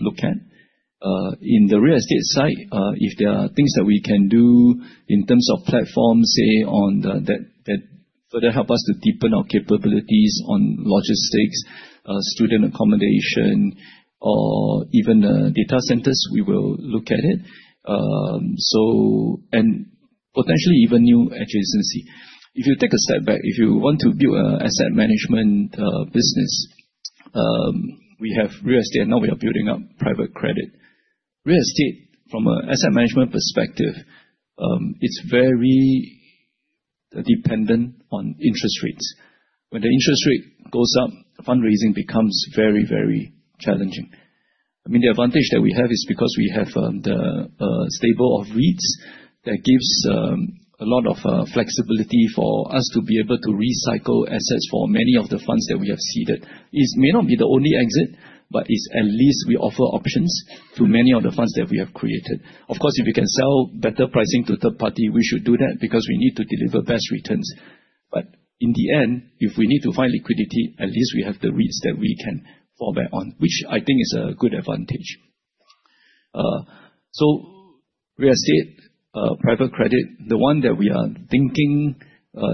look at. In the real estate side, if there are things that we can do in terms of platforms, say, on that that further help us to deepen our capabilities on logistics, student accommodation, or even the data centers, we will look at it. Potentially even new adjacency. If you take a step back, if you want to build an asset management business, we have real estate, and now we are building up private credit. Real estate, from an asset management perspective, it's very dependent on interest rates. When the interest rate goes up, fundraising becomes very, very challenging. The advantage that we have is because we have the stable of REITs that gives a lot of flexibility for us to be able to recycle assets for many of the funds that we have seeded. It may not be the only exit, but at least we offer options to many of the funds that we have created. Of course, if we can sell better pricing to third party, we should do that because we need to deliver best returns. In the end, if we need to find liquidity, at least we have the REITs that we can fall back on, which I think is a good advantage. Real estate, private credit, the one that we are thinking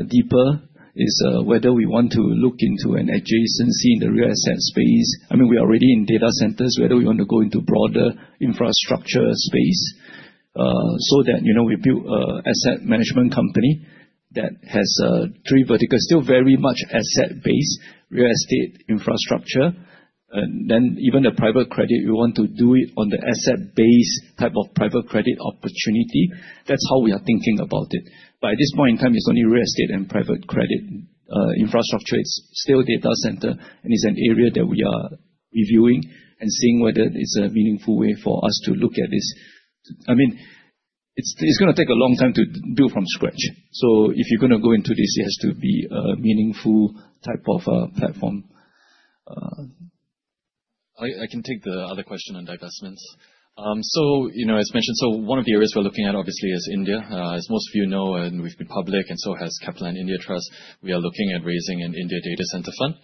deeper is whether we want to look into an adjacency in the real asset space. We are already in data centers, whether we want to go into broader infrastructure space so that, you know, we build an asset management company that has three verticals, still very much asset-based real estate infrastructure. Then even the private credit, we want to do it on the asset-based type of private credit opportunity. That's how we are thinking about it. At this point in time, it's only real estate and private credit infrastructure. It's still data center, and it's an area that we are reviewing and seeing whether it's a meaningful way for us to look at this. It's going to take a long time to build from scratch. If you're going to go into this, it has to be a meaningful type of platform. I can take the other question on divestments. As mentioned, one of the areas we're looking at, obviously, is India. As most of you know, and with Republic and so has CapitaLand India Trust, we are looking at raising an India data center fund.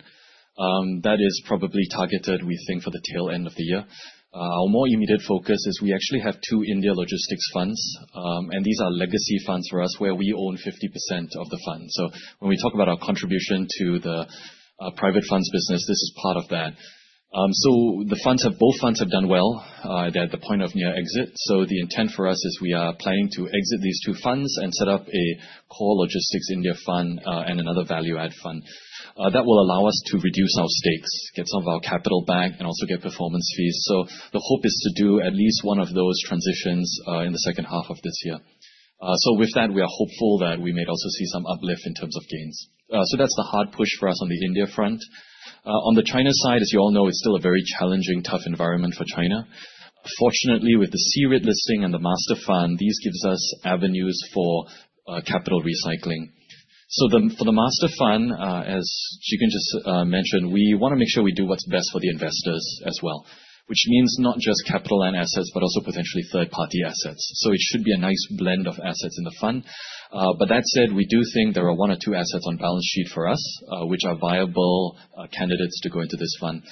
That is probably targeted, we think, for the tail end of the year. Our more immediate focus is we actually have two India logistics funds. These are legacy funds for us, where we own 50% of the fund. When we talk about our contribution to the private funds business, this is part of that. The funds have both done well at the point of near exit. The intent for us is we are planning to exit these two funds and set up a core logistics India fund and another value-add fund. That will allow us to reduce our stakes, get some of our capital back, and also get performance fees. The hope is to do at least one of those transitions in the second half of this year. With that, we are hopeful that we may also see some uplift in terms of gains. That's the hard push for us on the India front. On the China side, as you all know, it's still a very challenging, tough environment for China. Fortunately, with the C-REIT listing and the Master Fund, this gives us avenues for capital recycling. For the master fund, as Chee Koon Lee just mentioned, we want to make sure we do what's best for the investors as well, which means not just capital and assets, but also potentially third-party assets. It should be a nice blend of assets in the fund. That said, we do think there are one or two assets on balance sheet for us, which are viable candidates to go into this fund.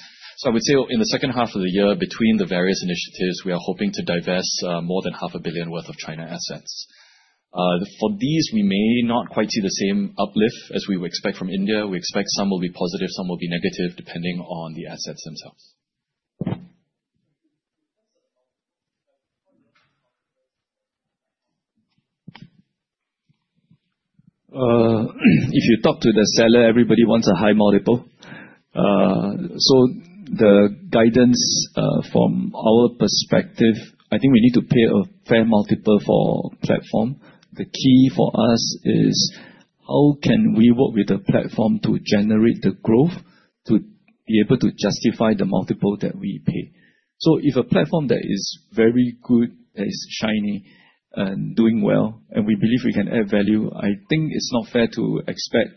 I would say in the second half of the year, between the various initiatives, we are hoping to divest more than $500 million worth of China assets. For these, we may not quite see the same uplift as we would expect from India. We expect some will be positive, some will be negative, depending on the assets themselves. If you talk to the seller, everybody wants a high multiple. The guidance from our perspective, I think we need to pay a fair multiple for platform. The key for us is how can we work with a platform to generate the growth to be able to justify the multiple that we pay. If a platform that is very good, that is shiny, and doing well, and we believe we can add value, I think it's not fair to expect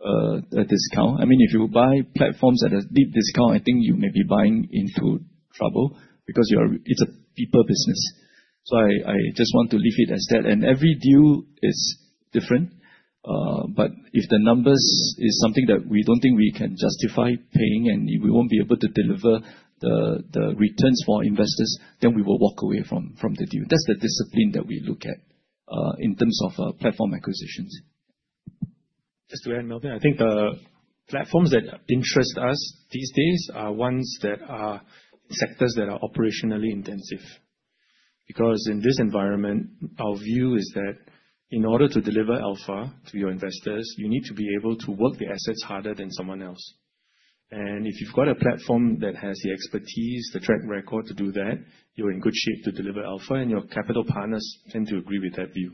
a discount. I mean, if you buy platforms at a deep discount, I think you may be buying into trouble because it's a deeper business. I just want to leave it as that. Every deal is different. If the numbers are something that we don't think we can justify paying, and we won't be able to deliver the returns for investors, then we will walk away from the deal. That's the discipline that we look at in terms of platform acquisitions. Just to add, I think the platforms that interest us these days are ones that are sectors that are operationally intensive. In this environment, our view is that in order to deliver alpha to your investors, you need to be able to work the assets harder than someone else. If you've got a platform that has the expertise, the track record to do that, you're in good shape to deliver alpha, and your capital partners tend to agree with that view.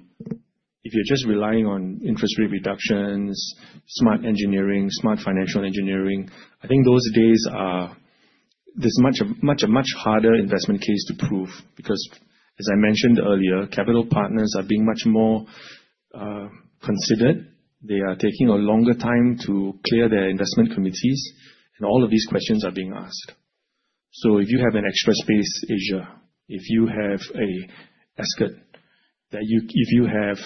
If you're just relying on interest rate reductions, smart engineering, smart financial engineering, I think those days are a much harder investment case to prove because, as I mentioned earlier, capital partners are being much more considered. They are taking a longer time to clear their investment committees. All of these questions are being asked. If you have an extra space, Asia, if you have an escort, if you have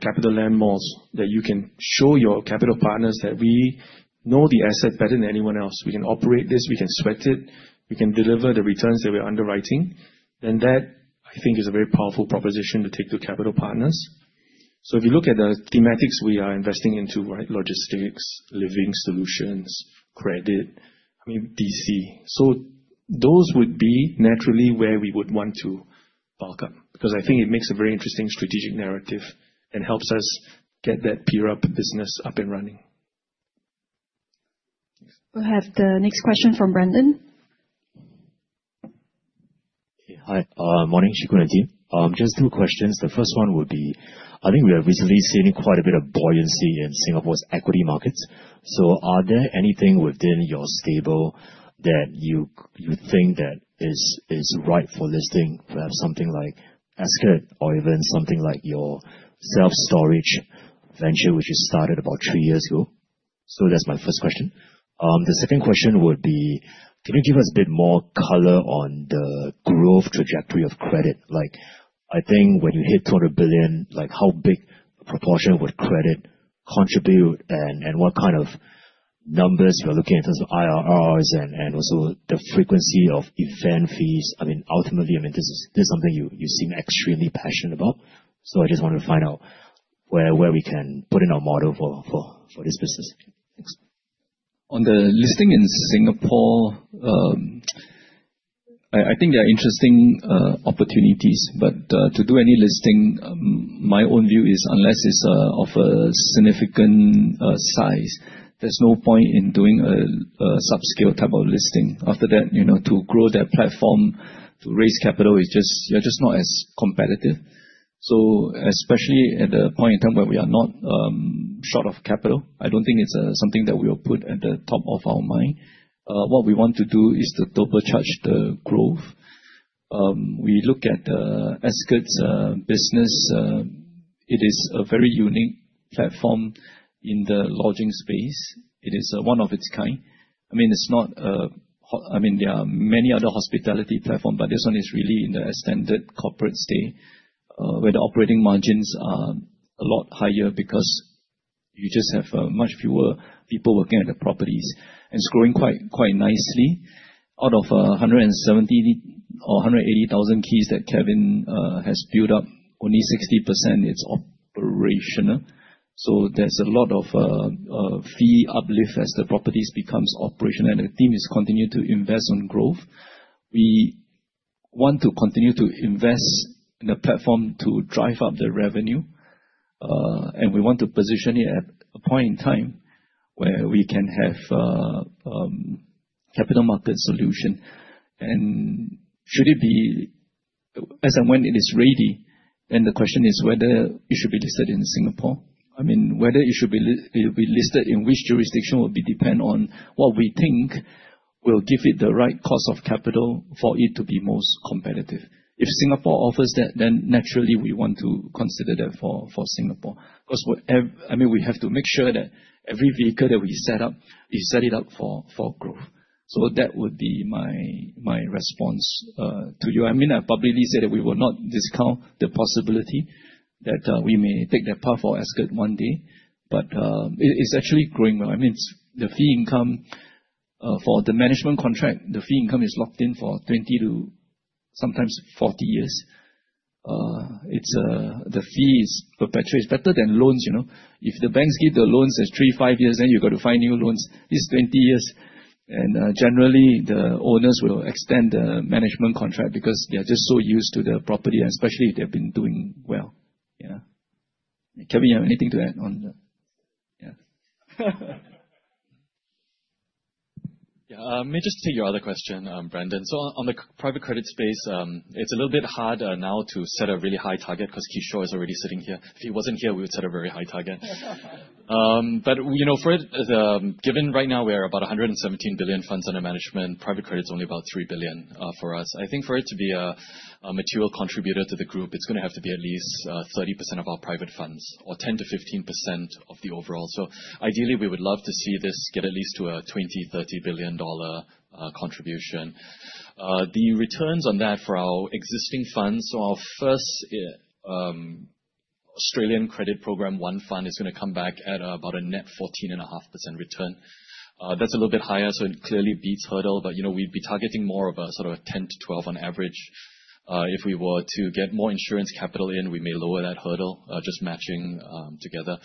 CapitaLand malls that you can show your capital partners that we know the asset better than anyone else, we can operate this, we can sweat it, we can deliver the returns that we're underwriting, then that, I think, is a very powerful proposition to take to capital partners. If you look at the thematics we are investing into, right, logistics, living solutions, credit, maybe DC, those would be naturally where we would want to buck up because I think it makes a very interesting strategic narrative and helps us get that PR business up and running. We'll have the next question from Brandon. Hi. Morning, Chee Koon and team. Just two questions. The first one would be, I think we are visibly seeing quite a bit of buoyancy in Singapore's equity markets. Are there anything within your stable that you think is right for listing, for something like Esketor even something like your self-storage venture, which you started about three years ago? That's my first question. The second question would be, can you give us a bit more color on the growth trajectory of credit? I think when you hit $40 billion, how big a proportion would credit contribute and what kind of numbers are you looking at in terms of IRRs and also the frequency of event fees? Ultimately, this is something you seem extremely passionate about. I just want to find out where we can put in our model for this business. On the listing in Singapore, I think there are interesting opportunities. To do any listing, my own view is unless it's of a significant size, there's no point in doing a subscale type of listing. After that, to grow that platform, to raise capital, you're just not as competitive. Especially at the point in time where we are not short of capital, I don't think it's something that we will put at the top of our mind. What we want to do is to double charge the growth. We look at the Ascott business. It is a very unique platform in the lodging space. It is one of its kind. There are many other hospitality platforms, but this one is really in the extended corporate stay, where the operating margins are a lot higher because you just have much fewer people working at the properties. It's growing quite nicely. Out of 170,000 or 180,000 keys that Kevin has built up, only 60% is operational. There's a lot of fee uplift as the properties become operational. The team is continuing to invest in growth. We want to continue to invest in the platform to drive up the revenue. We want to position it at a point in time where we can have a capital market solution. As and when it is ready, then the question is whether it should be listed in Singapore. Whether it should be listed in which jurisdiction will be dependent on what we think will give it the right cost of capital for it to be most competitive. If Singapore offers that, then naturally we want to consider that for Singapore. We have to make sure that every vehicle that we set up is set up for growth. That would be my response to you. I'll probably say that we will not discount the possibility that we may take that path for Ascott one day. It's actually growing well. The fee income for the management contract, the fee income is locked in for 20 to sometimes 40 years. The fee is perpetual. It's better than loans. If the banks give the loans as three, five years, then you've got to find new loans. It's 20 years. Generally, the owners will extend the management contract because they are just so used to the property, especially if they've been doing well. Kevin, you have anything to add on that? Yeah. I may just take your other question, Brandon. On the private credit space, it's a little bit harder now to set a really high target because Kishore is already sitting here. If he wasn't hire, we would set a very high target. For it, given right now we're about $117 billion funds under management, private credit is only about $3 billion for us. I think for it to be a material contributor to the group, it's going to have to be at least 30% of our private funds or 10%-15% of the overall. Ideally, we would love to see this get at least to a $20 billion-$30 billion contribution. The returns on that for our existing funds, so our first Australian credit program, One Fund, is going to come back at about a net 14.5% return. That's a little bit higher, so it clearly beats the hurdle. We'd be targeting more of a sort of 10%-12% on average. If we were to get more insurance capital in, we may lower that hurdle, just matching together.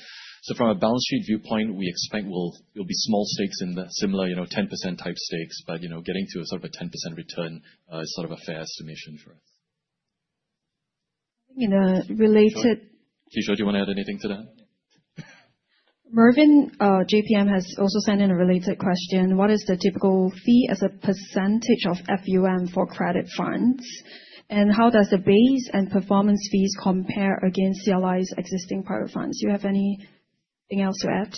From a balance sheet viewpoint, we expect there will be small stakes in the similar, you know, 10% type stakes. Getting to a sort of a 10% return is sort of a fair estimation for us. I mean, related. Kishore, do you want to add anything to that? Mervyn, JPM has also sent in a related question. What is the typical fee as a perccentage of FUM for credit funds? How does the base and performance fees compare against CapitaLand Investment Limited's existing private funds? Do you have anything else to add?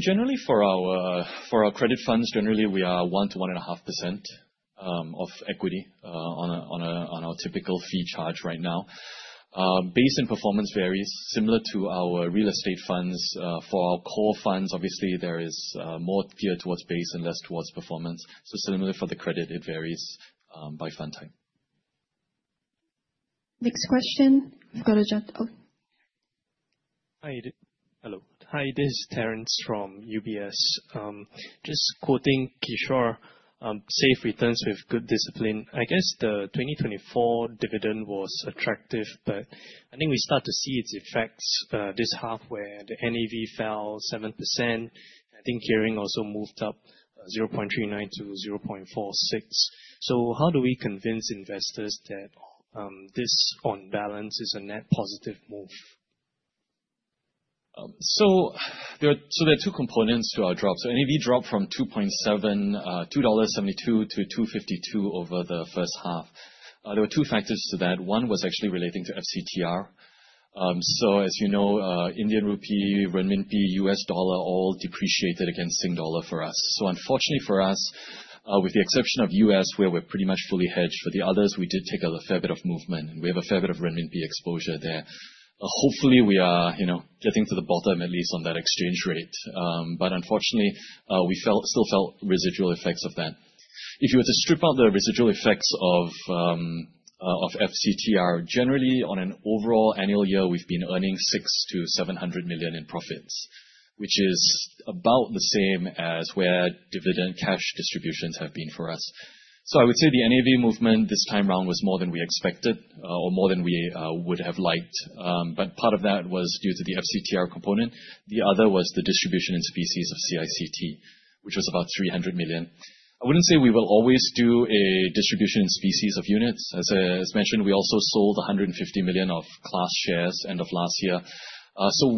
Generally, for our credit funds, we are 1%-1.5% of equity on our typical fee charge right now. Base and performance vary, similar to our real estate funds. For our core funds, obviously, there is more geared towards base and less towards performance. Similarly, for the credit, it varies by fund type. Next question. Mr. Rajat Oh. Hi. Hello. Hi. This is Terrence from UBS. Just quoting Kishore, safe returns with good discipline. I guess the 2024 dividend was attractive, but I think we start to see its effects this half where the NAV fell 7%. I think hearing also moved up $0.39-$0.46. How do we convince investors that this, on balance, is a net positive move? There are two components to our drop. NAV dropped from $2.72 to $2.52 over the first half. There were two factors to that. One was actually relating to FCTR. As you know, Indian rupee, renminbi, U.S. dollar all depreciated against Singapore dollar for us. Unfortunately for us, with the exception of U.S., where we're pretty much fully hedged, for the others, we did take a fair bit of movement. We have a fair bit of renminbi exposure there. Hopefully, we are getting to the bottom, at least on that exchange rate. Unfortunately, we still felt residual effects of that. If you were to strip out the residual effects of FCTR, generally, on an overall annual year, we've been earning $600 million-$700 million in profits, which is about the same as where dividend cash distributions have been for us. I would say the NAV movement this time round was more than we expected or more than we would have liked. Part of that was due to the FCTR component. The other was the distribution in specie of CICT, which was about $300 million. I wouldn't say we will always do a distribution in specie of units. As I mentioned, we also sold $150 million of class shares end of last year.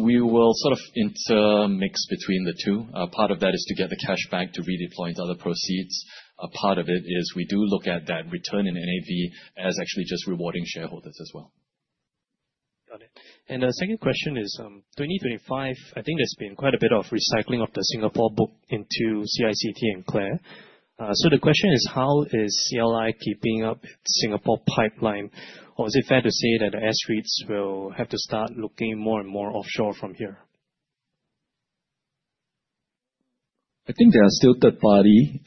We will sort of intermix between the two. Part of that is to get the cash back to redeploy into other proceeds. A part of it is we do look at that return in NAV as actually just rewarding shareholders as well. Got it. The second question is, 2025, I think there's been quite a bit of recycling of the Singapore book into CICT a nd CLARA. The question is, how is CLI keeping up its Singapore pipeline? Is it fair to say that the S-REITs will have to start looking more and more offshore from here? I think there are still third-party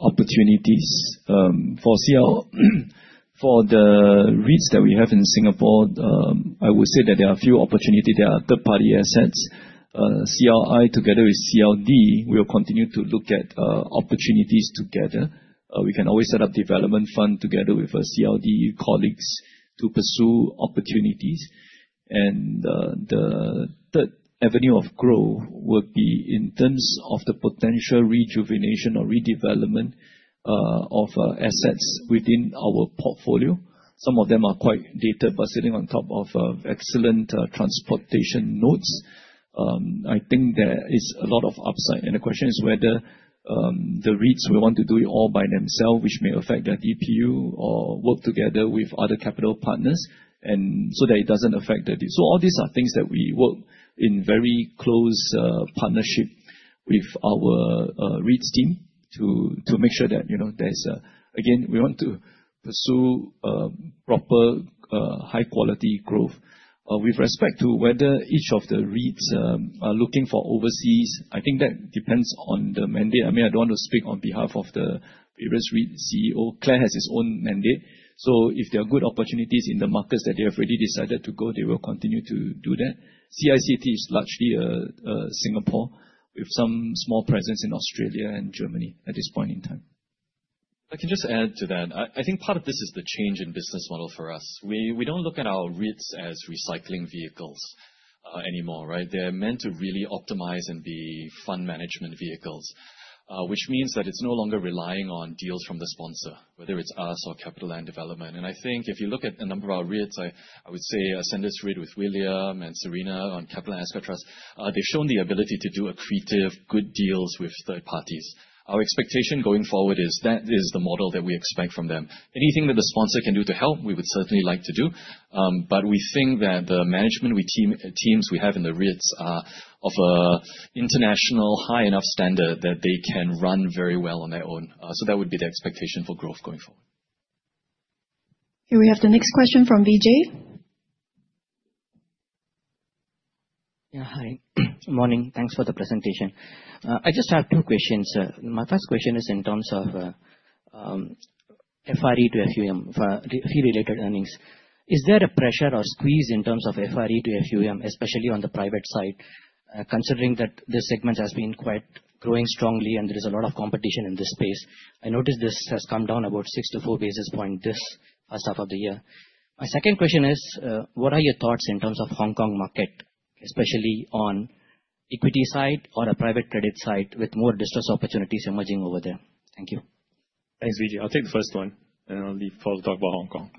opportunities for CLI. For the REITs that we have in Singapore, I would say that there are a few opportunities. There are third-party assets. CLI, together with CLD, will continue to look at opportunities together. We can always set up a development fund together with our CLD colleagues to pursue opportunities. The third avenue of growth would be in terms of the potential rejuvenation or redevelopment of assets within our portfolio. Some of them are quite dated, but sitting on top of excellent transportation nodes. I think there is a lot of upside. The question is whether the REITs will want to do it all by themselves, which may affect their DPU, or work together with other capital partners so that it doesn't affect the DPU. All these are things that we work in very close partnership with our REITs team to make sure that, you know, we want to pursue a proper, high-quality growth. With respect to whether each of the REITs are looking for overseas, I think that depends on the mandate. I mean, I don't want to speak on behalf of the various REIT CEO. CLARA has its own mandate. If there are good opportunities in the markets that they have already decided to go, they will continue to do that CICT is largely Singapore, with some small presence in Australia and Germany at this point in time. I can just add to that. I think part of this is the change in business model for us. We don't look at our REITs as recycling vehicles anymore, right? They're meant to really optimize and be fund management vehicles, which means that it's no longer relying on deals from the sponsor, whether it's us or CapitaLand Development. I think if you look at a number of our REITs, I would say Ascendas REIT with William and Serena on CapitaLand Ascott Trust, they've shown the ability to do accretive good deals with third parties. Our expectation going forward is that is the model that we expect from them. Anything that the sponsor can do to help, we would certainly like to do. We think that the management teams we have in the REITs are of an international high enough standard that they can run very well on their own. That would be the expectation for growth going forward. Here we have the next question from Vijay. Yeah, hi. Morning. Thanks for the presentation. I just have two questions. My first question is in terms of FRE to FUM, fee-related earnings. Is there a pressure or squeeze in terms of FRE to FUM, especially on the private side? Considering that this segment has been growing quite strongly and there is a lot of competition in this space, I noticed this has come down about 6 basis points to 4 basis points this start of the year. My second question is, what are your thoughts in terms of the Hong Kong market, especially on the equity side or the private credit side with more distress opportunities emerging over there? Thank you. Thanks, Vijay. I'll take the first one and I'll leave Paul to talk about Hong Kong.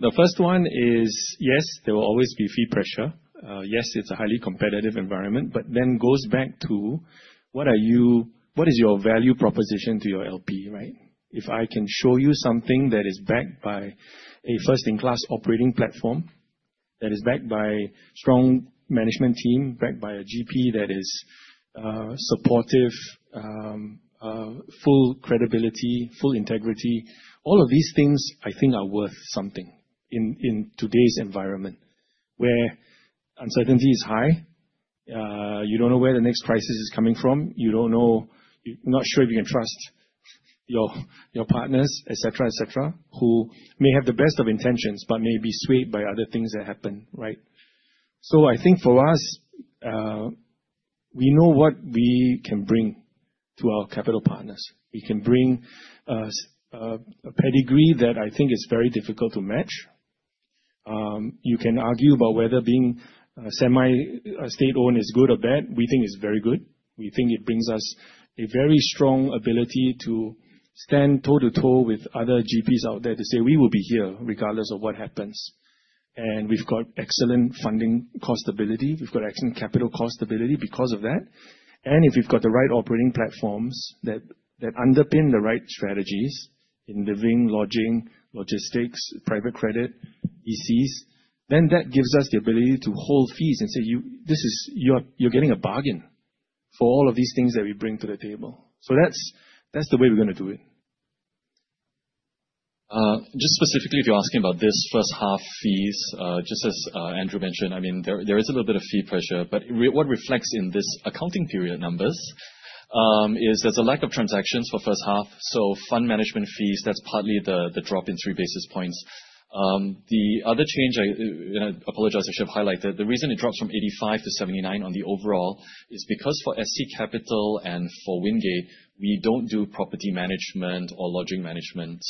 The first one is, yes, there will always be fee pressure. Yes, it's a highly competitive environment, but then it goes back to what is your value proposition to your LP, right? If I can show you something that is backed by a first-in-class operating platform, that is backed by a strong management team, backed by a GP that is supportive, full credibility, full integrity, all of these things I think are worth something in today's environment where uncertainty is high. You don't know where the next crisis is coming from. You don't know. You're not sure if you can trust your partners, etc., etc., who may have the best of intentions but may be swayed by other things that happen, right? I think for us, we know what we can bring to our capital partners. We can bring a pedigree that I think is very difficult to match. You can argue about whether being semi-state-owned is good or bad. We think it's very good. We think it brings us a very strong ability to stand toe to toe with other GPs out there to say, "We will be here regardless of what happens." We've got excellent funding cost ability. We've got excellent capital cost ability because of that. If we've got the right operating platforms that underpin the right strategies in living, lodging, logistics, private credit, ECs, then that gives us the ability to hold fees and say, "You're getting a bargain for all of these things that we bring to the table." That's the way we're going to do it. Just specifically to ask him about this first half fees, just as Andrew mentioned, there is a little bit of fee pressure, but what reflects in this accounting period numbers is there's a lack of transactions for the first half. Fund management fees, that's partly the drop in 3 basis points. The other change, and I apologize, I should have highlighted that the reason it drops from 85% to 79% of the overall is because for SC Capital and for Wingate, we don't do property management or lodging management.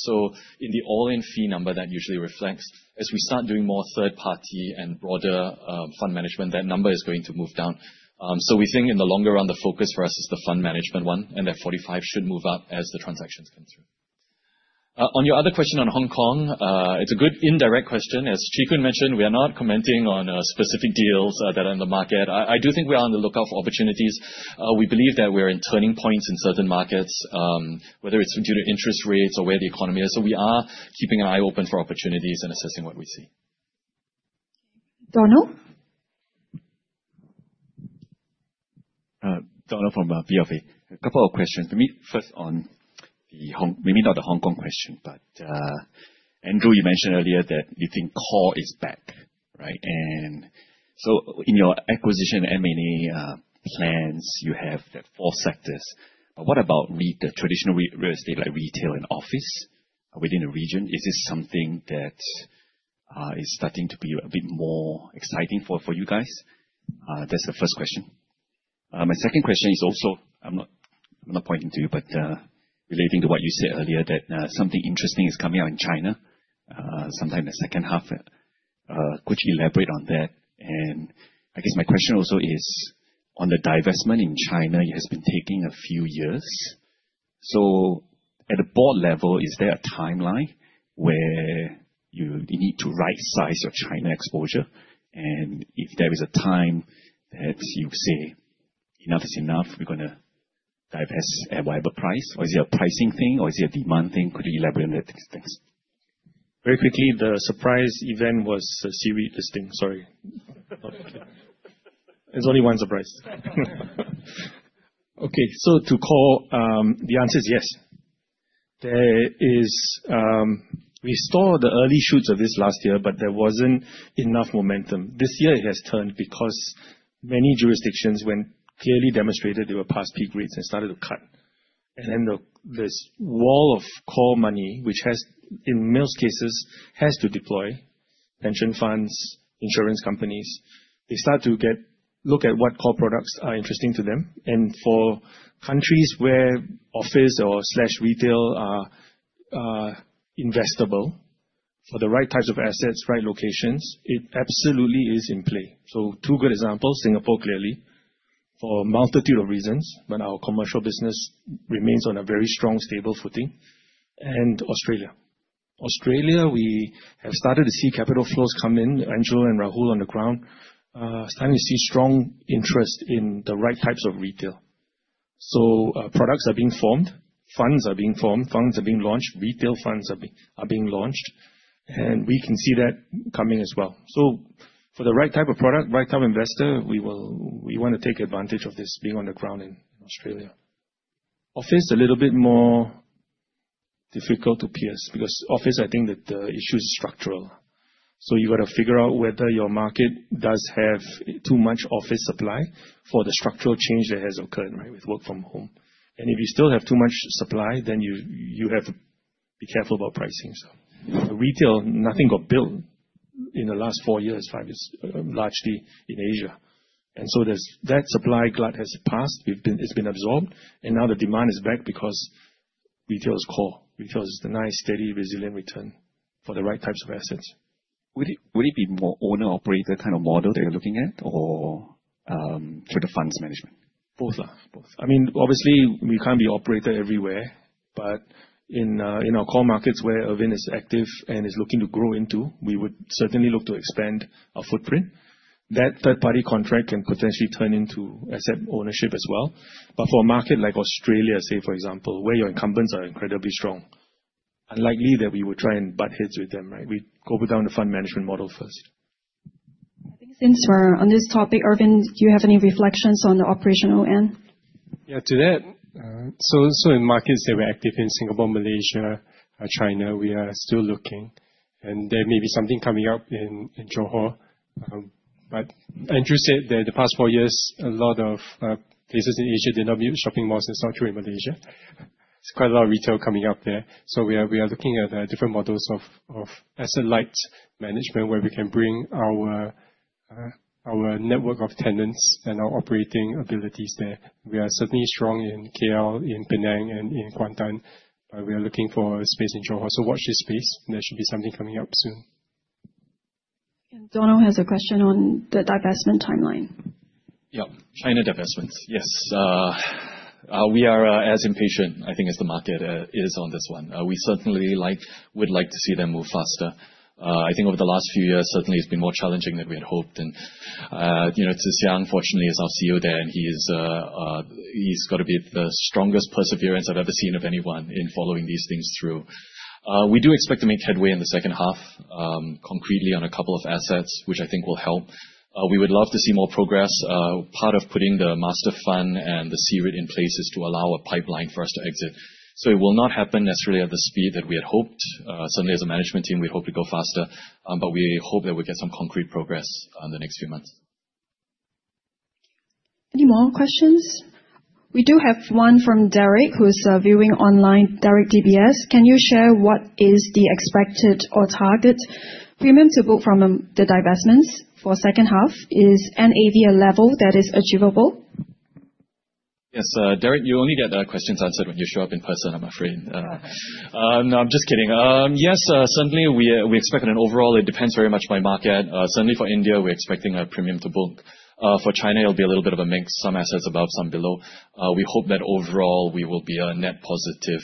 In the all-in fee number, that usually reflects as we start doing more third-party and broader fund management, that number is going to move down. We think in the longer run, the focus for us is the fund management one, and that 45 should move up as the transactions come through. On your other question on Hong Kong, it's a good indirect question. As Chee Koon mentioned, we are not commenting on specific deals that are in the market. I do think we are on the lookout for opportunities. We believe that we're in turning points in certain markets, whether it's due to interest rates or where the economy is. We are keeping an eye open for opportunities and assessing what we see. Donald? Donald from BofA couple of questions. Maybe first on the, maybe not the Hong Kong question, but Andrew, you mentioned earlier that you think core is back, right? In your acquisition M&A plans, you have the four sectors. What about the traditional real estate like retail and office within the region? Is this something that is starting to be a bit more exciting for you guys? That's the first question. My second question is also, I'm not pointing to you, but relating to what you said earlier, that something interesting is coming out in China, sometime in the second half. Could you elaborate on that? I guess my question also is on the divestment in China, it has been taking a few years. At the board level, is there a timeline where you need to right-size your China exposure? If there is a time that you say, "Enough is enough, we're going to divest at whatever price," or is it a pricing thing or is it a demand thing? Could you elaborate on that next? Very quickly, the surprise event was the Siri this thing. Sorry. There's only one surprise. To call, the answer is yes. There is, we saw the early shoots of this last year, but there wasn't enough momentum. This year, it has turned because many jurisdictions, when clearly demonstrated they were past peak rates, they started to cut. This wall of core money, which has, in most cases, has to deploy pension funds, insurance companies, they start to look at what core products are interesting to them. For countries where office or retail are investable for the right types of assets, right locations, it absolutely is in play. Two good examples, Singapore clearly for a multitude of reasons, but our commercial business remains on a very strong, stable footing. Australia, we have started to see capital flows come in. Andrew and Rahul on the ground, starting to see strong interest in the right types of retail. Products are being formed. Funds are being formed. Funds are being launched. Retail funds are being launched. We can see that coming as well. For the right type of product, right type of investor, we want to take advantage of this being on the ground in Australia. Office is a little bit more difficult to pierce because office, I think that the issue is structural. You got to figure out whether your market does have too much office supply for the structural change that has occurred, with work from home. If you still have too much supply, then you have to be careful about pricing. Retail, nothing got built in the last four years, five years, largely in Asia. That supply glut has passed. It's been absorbed. Now the demand is back because retail is core. Retail is a nice, steady, resilient return for the right types of assets. Would it be more owner-operator kind of model that you're looking at, or through the funds management? Both are. Obviously, we can't be operator everywhere, but in our core markets where Ervin is active and is looking to grow into, we would certainly look to expand our footprint. That third-party contract can potentially turn into asset ownership as well. For a market like Australia, for example, where your incumbents are incredibly strong, it's unlikely that we would try and butt heads with them, right? We go down the fund management model first. I think since we're on this topic, Ervin, do you have any reflections on the operational end? Yeah, to that. In markets that we're active in, Singapore, Malaysia, China, we are still looking. There may be something coming up in Johor. Interesting that the past four years, a lot of places in Asia did not meet shopping malls in South Korea, Malaysia. There's quite a lot of retail coming up there. We are looking at different models of asset-light management where we can bring our network of tenants and our operating abilities there. We are certainly strong in KL, in Penang, and in Kuantan. We are looking for a space in Johor. Watch this space. There should be something coming up soon. Donald has a question on the divestment timeline. Yeah. Final divestments. Yes. We are as impatient, I think, as the market is on this one. We certainly would like to see them move faster. I think over the last few years, certainly, it's been more challenging than we had hoped Zhi Xiang, fortunately, is our CEO there, and he's got to be the strongest perseverance I've ever seen of anyone in following these things through. We do expect to make headway in the second half, concretely on a couple of assets, which I think will help. We would love to see more progress. Part of putting the master fund and the C-REIT in place is to allow a pipeline for us to exit. It will not happen necessarily at the speed that we had hoped. Certainly, as a management team, we hope to go faster, but we hope that we get some concrete progress in the next few months. Any more questions? We do have one from Derek, who is viewing online. Derek, DBS., can you share what is the expected or target premium to book from the divestments for the second half? Is NAV a level that is achievable? Yes. Derek, you only get questions answered when you show up in person, I'm afraid. No, I'm just kidding. Yes, certainly, we expect an overall. It depends very much by market. Certainly, for India, we're expecting a premium to book. For China, it'll be a little bit of a mix. Some assets above, some below. We hope that overall, we will be a net positive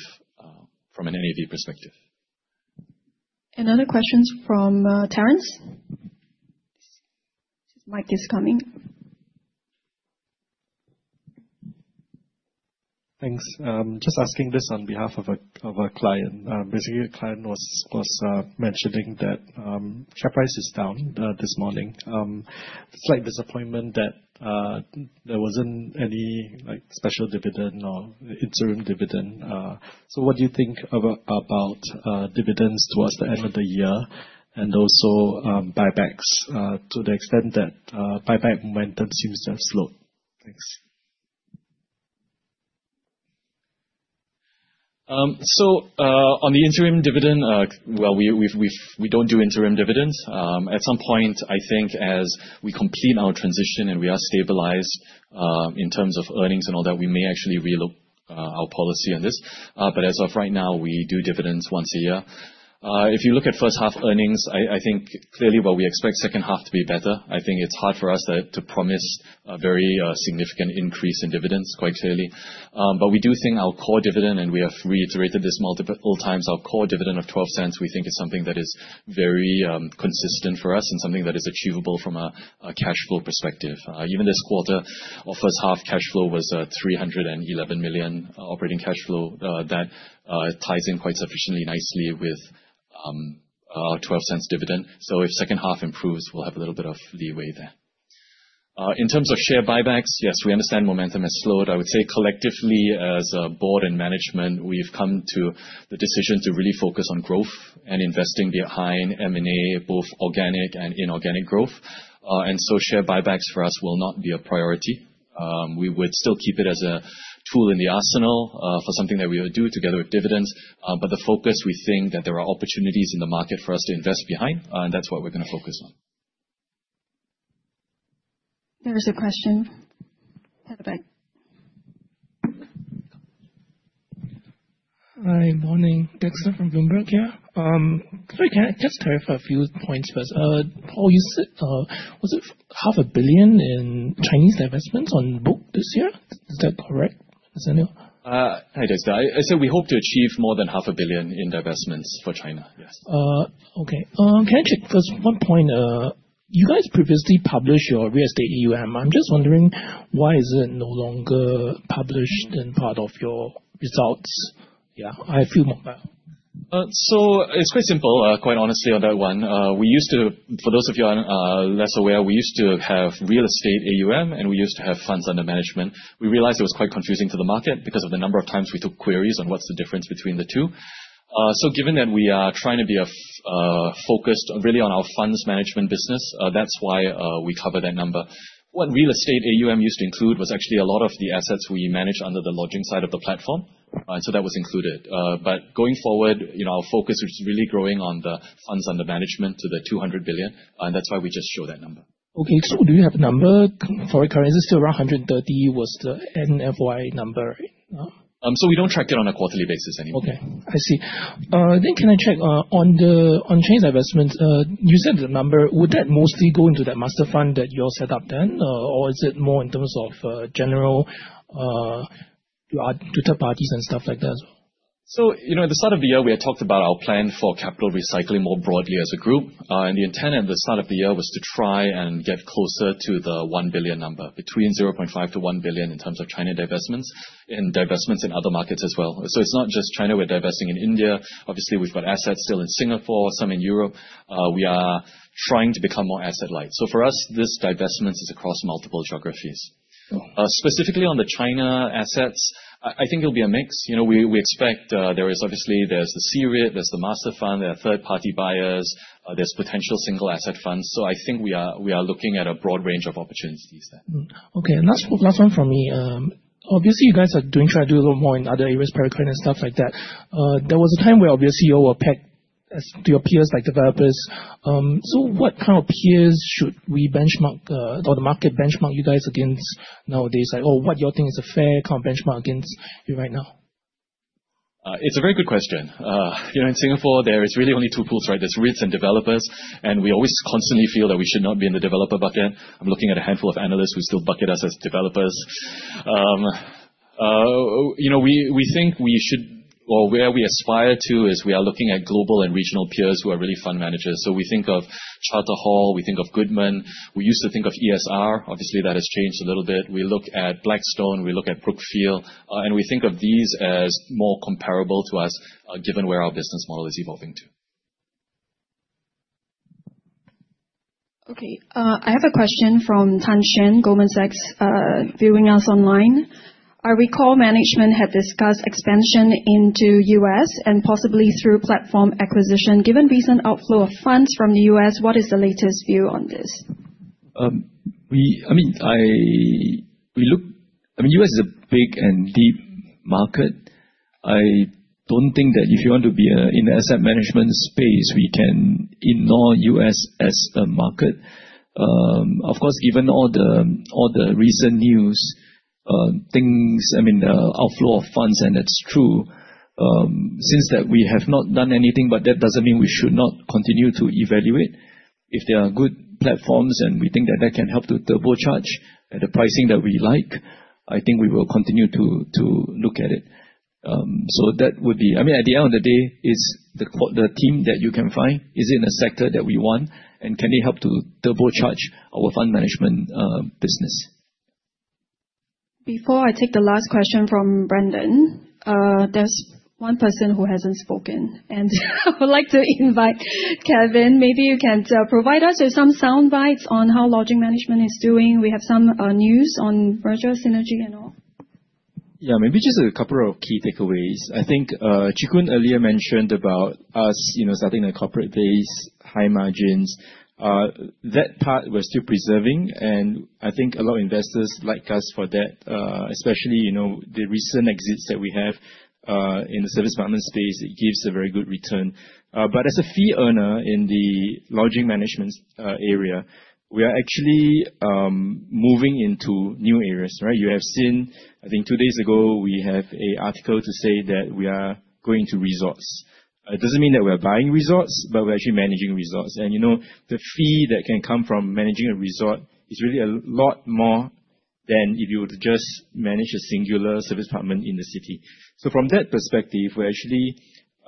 from an NAV perspective. Any other questions from Terrence? Mike is coming. Thanks. Just asking this on behalf of our client. Basically, the client was mentioning that share price is down this morning. Slight disappointment that there wasn't any special dividend or interim dividend. What do you think about dividends towards the end of the year and also buybacks to the extent that buyback momentum seems to have slowed? Thanks. On the interim dividend, we don't do interim dividends. At some point, I think as we complete our transition and we are stabilized in terms of earnings and all that, we may actually relook our policy on this. As of right now, we do dividends once a year. If you look at first half earnings, I think clearly we expect second half to be better. I think it's hard for us to promise a very significant increase in dividends quite clearly. We do think our core dividend, and we have reiterated this multiple times, our core dividend of $0.12, we think is something that is very consistent for us and something that is achievable from a cash flow perspective. Even this quarter, office half cash flow was $311 million operating cash flow. That ties in quite sufficiently nicely with our $0.12 dividend. If second half improves, we'll have a little bit of leeway there. In terms of share buybacks, yes, we understand momentum has slowed. I would say collectively, as a board and management, we've come to the decision to really focus on growth and investing behind M&A, both organic and inorganic growth. Share buybacks for us will not be a priority. We would still keep it as a tool in the arsenal for something that we would do together with dividends. The focus, we think that there are opportunities in the market for us to invest behind, and that's what we're going to focus on. There was a question. Hi, good morning. Dexter from Bloomberg here. Sorry, can I just clarify a few points first? Paul, you said was it $500 million in Chinese divestments on book this year? Is that correct? Hi, Dexter. We hope to achieve more than $500 million in divestments for China, yes. Okay. Can I check? Because one point, you guys previously published your real estate EUM. I'm just wondering why is it no longer published in part of your results. Yeah, I feel more. It's quite simple, quite honestly, on that one. For those of you who are less aware, we used to have real estate AUM, and we used to have funds under management. We realized it was quite confusing to the market because of the number of times we took queries on what's the difference between the two. Given that we are trying to be focused really on our funds management business, that's why we cover that number. What real estate AUM used to include was actually a lot of the assets we managed under the lodging side of the platform. That was included. Going forward, you know our focus is really growing on the funds under management to the $200 billion. That's why we just show that number. Okay. Do you have the number? Sorry, current is still around 130, was the NFY number. We don't track it on a quarterly basis anymore. Okay. I see. Can I check on the on-chain divestments? You said the number, would that mostly go into that master fund that you're set up, or is it more in terms of general third parties and stuff like that? At the start of the year, we had talked about our plan for capital recycling more broadly as a group. The intent at the start of the year was to try and get closer to the $1 billion number, between $0.5 billion-1 billion in terms of China divestments and divestments in other markets as well. It's not just China. We're divesting in India. Obviously, we've got assets still in Singapore, some in Europe. We are trying to become more asset-light. For us, this divestment is across multiple geographies. Specifically on the China assets, I think it'll be a mix. We expect there is obviously the C-REIT, there's the renminbi master fund, there are third-party buyers, there's potential single asset funds. We are looking at a broad range of opportunities there. Okay. Last one from me. Obviously, you guys are doing fairly a little more in other areas, private planning and stuff like that. There was a time where obviously you were pegged to your peers like developers. What kind of peers should we benchmark or the market benchmark you guys against nowadays? What do you think is a fair kind of benchmark against you right now? It's a very good question. You know in Singapore, there are really only two pools, right? There's REITs and developers. We always constantly feel that we should not be in the developer bucket. I'm looking at a handful of analysts who still bucket us as developers. We think we should, or where we aspire to is we are looking at global and regional peers who are really fund managers. We think of Tata Hall, we think of Goodman. We used to think of ESR. Obviously, that has changed a little bit. We look at Blackstone, we look at Brookfield, and we think of these as more comparable to us given where our business model is evolving to. Okay. I have a question from Tan Shen, Goldman Sachs, viewing us online. I recall management had discussed expansion into the U.S. and possibly through platform acquisition. Given recent outflow of funds from the U.S., what is the latest view on this? The U.S. is a big and deep market. I don't think that if you want to be in the asset management space, we can ignore the U.S. as a market. Of course, given all the recent news, the outflow of funds, and that's true, since we have not done anything, but that doesn't mean we should not continue to evaluate. If there are good platforms and we think that can help to turbocharge at the pricing that we like, I think we will continue to look at it. At the end of the day, is the team that you can find, is it in a sector that we want, and can it help to turbocharge our fund management business? Before I take the last question from Brandon, there's one person who hasn't spoken and who I would like to invite, Kevin. Maybe you can provide us with some sound bites on how lodging management is doing. We have some news on Virtual Synergy and all. Yeah, maybe just a couple of key takeaways. I think Chee Koon earlier mentioned about us, you know, starting in corporate days, high margins. That part we're still preserving. I think a lot of investors like us for that, especially, you know, the recent exits that we have in the serviced apartment space. It gives a very good return. As a fee earner in the lodging management area, we are actually moving into new areas, right? You have seen, I think two days ago, we have an article to say that we are going to resorts. It doesn't mean that we are buying resorts, but we're actually managing resorts. The fee that can come from managing a resort is really a lot more than if you were to just manage a singular serviced apartment in the city. From that perspective, we're actually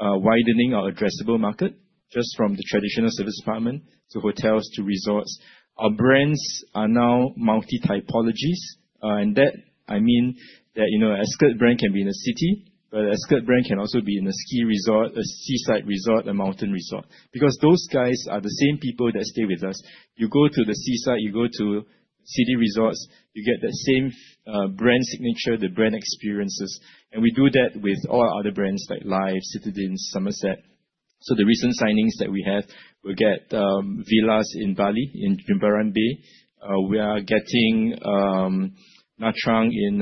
widening our addressable market just from the traditional serviced apartment to hotels to resorts. Our brands are now multi-typologies. That, I mean, that you know an Ascott brand can be in a city, but an Ascott brand can also be in a ski resort, a seaside resort, a mountain resort because those guys are the same people that stay with us. You go to the seaside, you go to city resorts, you get that same brand signature, the brand experiences. We do that with all our other brands like lyf, Citadines, Somerset. The recent signings that we have, we get villas in Bali, in Jimbaran Bay. We are getting Nha Trang in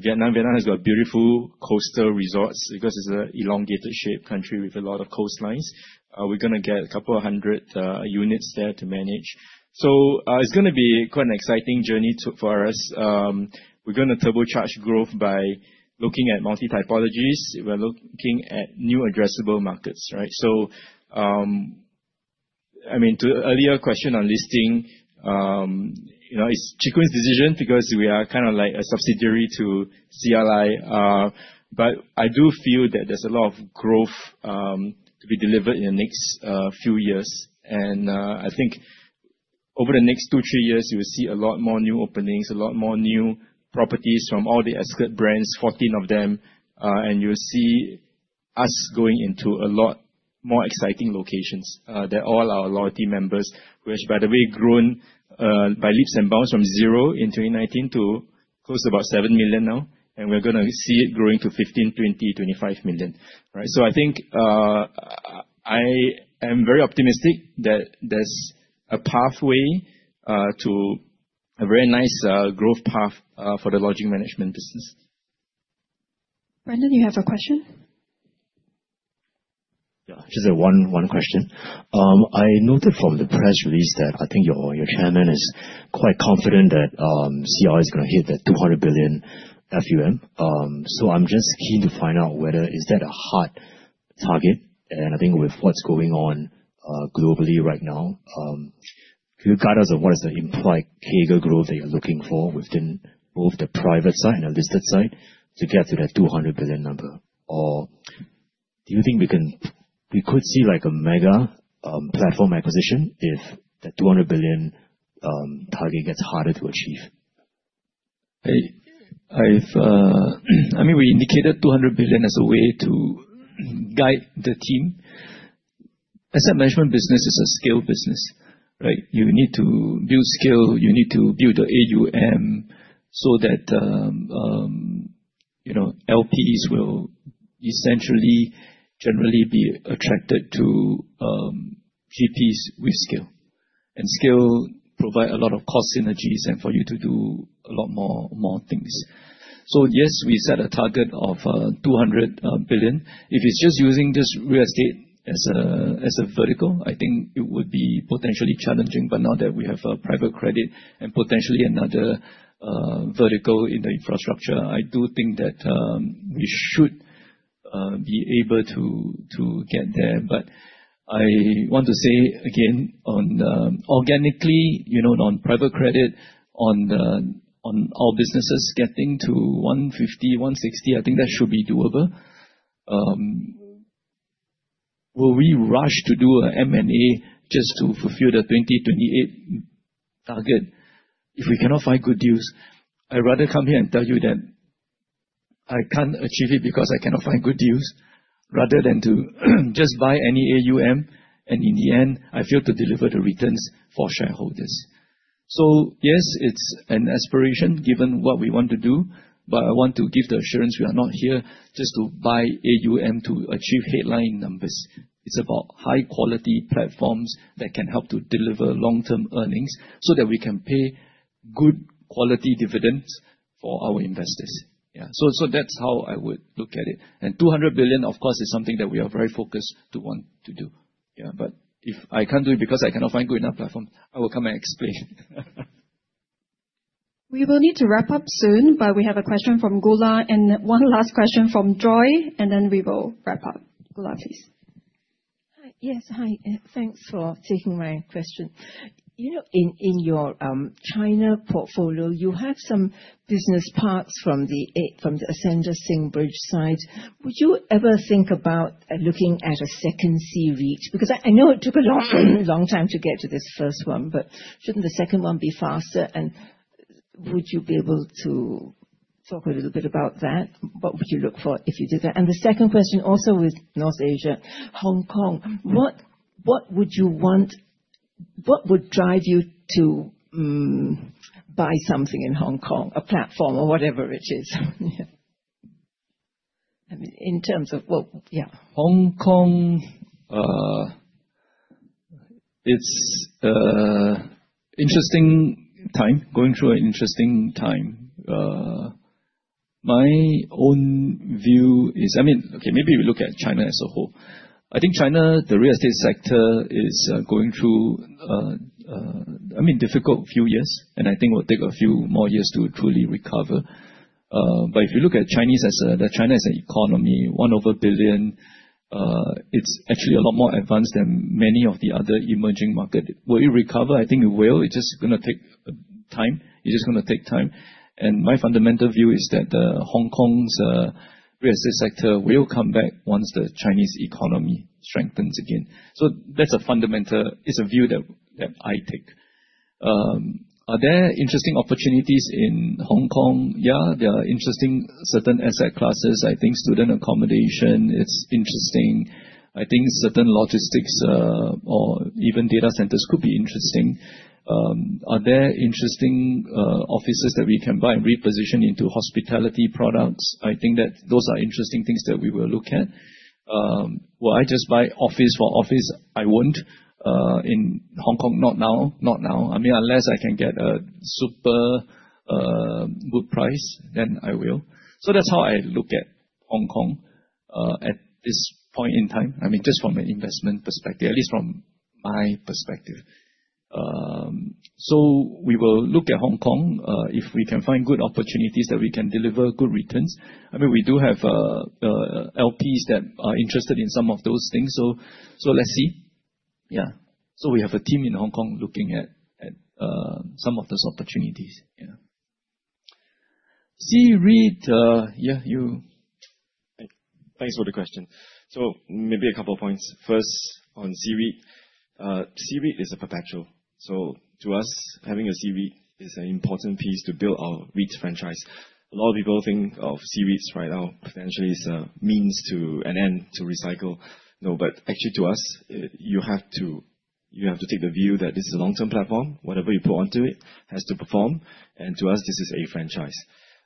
Vietnam. Vietnam has got beautiful coastal resorts because it's an elongated shape country with a lot of coastlines. We're going to get a couple of hundred units there to manage. It's going to be quite an exciting journey for us. We're going to turbocharge growth by looking at multi-typologies. We're looking at new addressable markets, right? I mean, to earlier question on listing, you know, it's Chee Koon's decision because we are kind of like a subsidiary CLI. I do feel that there's a lot of growth to be delivered in the next few years. I think over the next two, three years, you will see a lot more new openings, a lot more new properties from all the Ascott brands, 14 of them. You'll see us going into a lot more exciting locations. They're all our loyalty members, which, by the way, grown by leaps and bounds from zero in 2019 to close to about 7 million now. We're going to see it growing to 15 million, 20 million, 25 million, right? I think I am very optimistic that there's a pathway to a very nice growth path for the lodging management business. Brandon, you have a question? Yeah, just one question. I noted from the press release that I think your Chairman is quite confident that CLI is going to hit the $200 billion FUM. I'm just keen to find out whether that is a hard target. I think with what's going on globally right now, could you guide us on what is the implied CAGR growth that you're looking for within both the private side and the listed side to get to that $200 billion number? Do you think we could see a mega platform acquisition if that $200 billion target gets harder to achieve? I mean, we indicated $200 billion as a way to guide the team. Asset management business is a scale business, right? You need to build scale. You need to build the AUM so that LPs will essentially generally be attracted to GPs with scale and still provide a lot of cost synergies and for you to do a lot more things. Yes, we set a target of $200 billion. If it's just using just real estate as a vertical, I think it would be potentially challenging. Now that we have private credit and potentially another vertical in the infrastructure, I do think that we should be able to get there. I want to say again, organically, you know, on private credit, on our businesses getting to $150 billion, $160 billion, I think that should be doable. Will we rush to do an M&A just to fulfill the 2028 target? If we cannot find good deals, I'd rather come here and tell you that I can't achieve it because I cannot find good deals rather than to just buy any AUM. In the end, I fail to deliver the returns for shareholders. Yes, it's an aspiration given what we want to do, but I want to give the assurance we are not here just to buy AUM to achieve headline numbers. It's about high-quality platforms that can help to deliver long-term earnings so that we can pay good quality dividends for our investors. Yeah. That's how I would look at it. $200 billion, of course, is something that we are very focused to want to do. Yeah. If I can't do it because I cannot find good enough platforms, I will come and explain. We will need to wrap up soon, but we have a question from Gola. One last question from Joy, and then we will wrap up. Gula, please. Yes. Hi. Thanks for taking my question. In your China portfolio, you have some business parks from the Ascendas-Singbridge side. Would you ever think about looking at a second C-REIT? I know it took a long time to get to this first one, but shouldn't the second one be faster? Would you be able to talk a little bit about that? What would you look for if you did that? The second question also is North Asia, Hong Kong. What would drive you to buy something in Hong Kong, a platform or whatever it is? I mean, in terms of what? Hong Kong, it's an interesting time, going through an interesting time. My own view is, maybe we look at China as a whole. I think China, the real estate sector is going through a difficult few years, and I think it will take a few more years to truly recover. If you look at China, the China economy, over a billion, it's actually a lot more advanced than many of the other emerging markets. Will it recover? I think it will. It's just going to take time. My fundamental view is that Hong Kong's real estate sector will come back once the Chinese economy strengthens again. That's a fundamental view that I take. Are there interesting opportunities in Hong Kong? Yeah, there are interesting certain asset classes. I think student accommodation is interesting. I think certain logistics or even data centers could be interesting. Are there interesting offices that we can buy and reposition into hospitality products? I think those are interesting things that we will look at. Will I just buy office for office? I won't. In Hong Kong, not now. Not now. Unless I can get a super good price, then I will. That's how I look at Hong Kong at this point in time, just from an investment perspective, at least from my perspective. We will look at Hong Kong if we can find good opportunities that we can deliver good returns. We do have LPs that are interested in some of those things. Let's see. We have a team in Hong Kong looking at some of those opportunities. C-REIT, yeah, you. Thanks for the question. Maybe a couple of points. First, on C-REIT, C-REIT is a perpetual. To us, having a C-REIT is an important piece to build our REITs franchise. A lot of people think of C-REITs right now potentially as a means to an end to recycle. No, but actually, to us, you have to take the view that this is a long-term platform. Whatever you put onto it has to perform. To us, this is a franchise.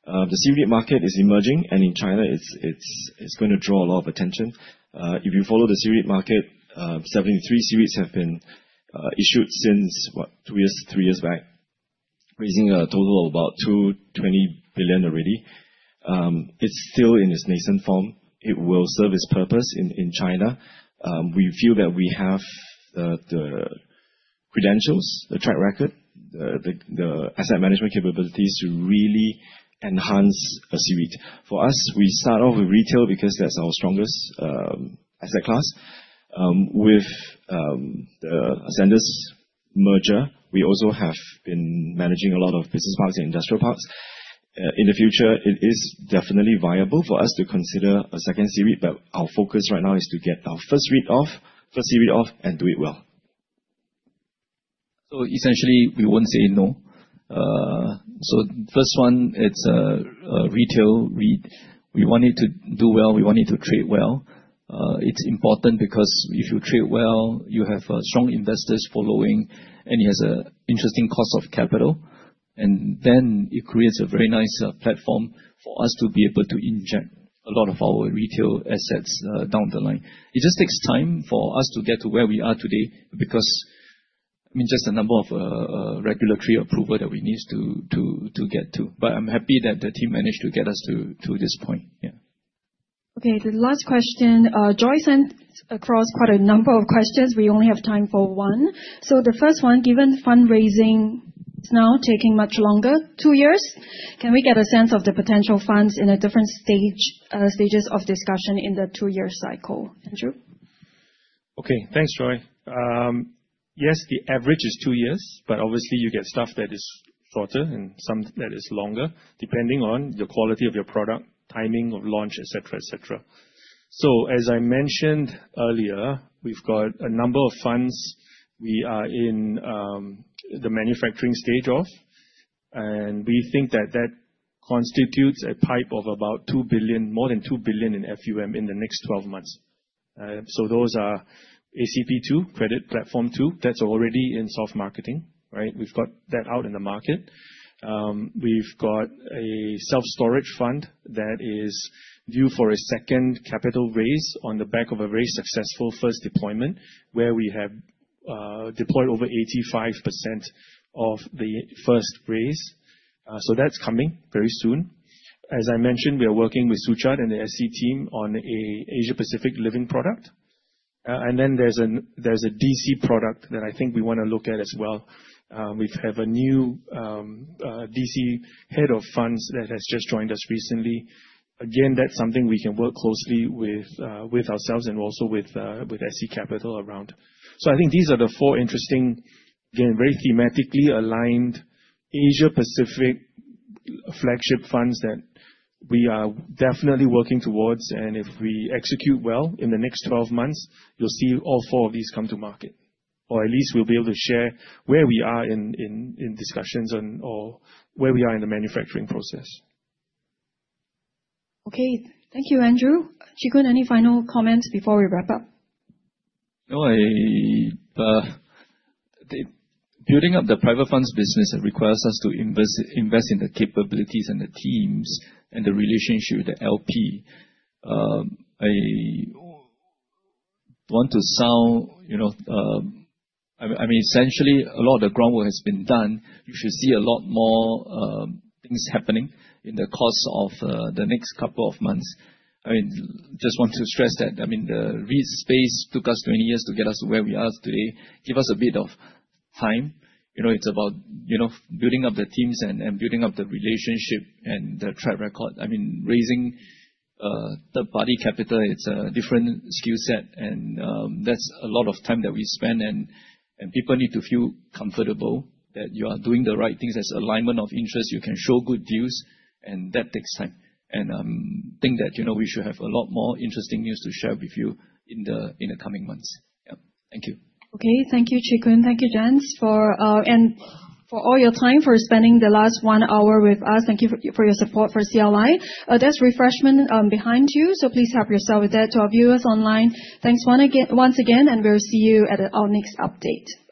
The C-REIT market is emerging, and in China, it's going to draw a lot of attention. If you follow the C-REIT market, 73 C-REITs have been issued since, what, two years, three years back, raising a total of about 220 billion already. It's still in its nascent form. It will serve its purpose in China. We feel that we have the credentials, the track record, the asset management capabilities to really enhance a C-REIT. For us, we start off with retail because that's our strongest asset class. With the Ascendas merger, we also have been managing a lot of business parks and industrial parks. In the future, it is definitely viable for us to consider a second C-REIT, but our focus right now is to get our first REIT off, first C-REIT off, and do it well. Essentially, we won't say no. The first one, it's a retail REIT. We want it to do well. We want it to trade well. It's important because if you trade well, you have strong investors following, and it has an interesting cost of capital. It creates a very nice platform for us to be able to inject a lot of our retail assets down the line. It just takes time for us to get to where we are today because, I mean, just a number of regulatory approval that we need to get to. I'm happy that the team managed to get us to this point. Yeah. Okay. The last question. Joy sent across quite a number of questions. We only have time for one. The first one, given fundraising is now taking much longer, two years, can we get a sense of the potential funds in the different stages of discussion in the two-year cycle? Andrew? Okay. Thanks, Joy. Yes, the average is two years, but obviously, you get stuff that is shorter and some that is longer depending on the quality of your product, timing of launch, etc., etc. As I mentioned earlier, we've got a number of funds we are in the manufacturing stage of, and we think that that constitutes a pipe of about $2 billion, more than $2 billion in FUM in the next 12 months. Those are ACP2, Credit Platform 2. That's already in soft marketing, right? We've got that out in the market. We've got a self-storage fund that is due for a second capital raise on the back of a very successful first deployment where we have deployed over 85% of the first raise. That's coming very soon. As I mentioned, we are working with Suzhou and the SC team on an Asia-Pacific living product. There is a DC product that I think we want to look at as well. We have a new DC Head of Funds that has just joined us recently. That's something we can work closely with ourselves and also with SC Capital around. I think these are the four interesting, again, very thematically aligned Asia-Pacific flagship funds that we are definitely working towards. If we execute well in the next 12 months, you'll see all four of these come to market, or at least we'll be able to share where we are in discussions or where we are in the manufacturing process. Okay. Thank you, Andrew. Chee Koon, any final comments before we wrap up? Building up the private funds business requires us to invest in the capabilities and the teams and the relationship with the LP. Essentially, a lot of the groundwork has been done. You should see a lot more things happening in the course of the next couple of months. I just want to stress that the REIT space took us 20 years to get us to where we are today. Give us a bit of time. It's about building up the teams and building up the relationship and the track record. Raising third-party capital is a different skill set. That's a lot of time that we spend. People need to feel comfortable that you are doing the right things. There's alignment of interests. You can show good deals. That takes time. I think that we should have a lot more interesting news to share with you in the coming months. Thank you. Thank you, Chee Koon. Thank you, everyone, for spending the last one hour with us. Thank you for your support for CLI There are refreshments behind you. Please help yourself to that. To our viewers online, thanks once again, and we'll see you at our next update. Bye-bye.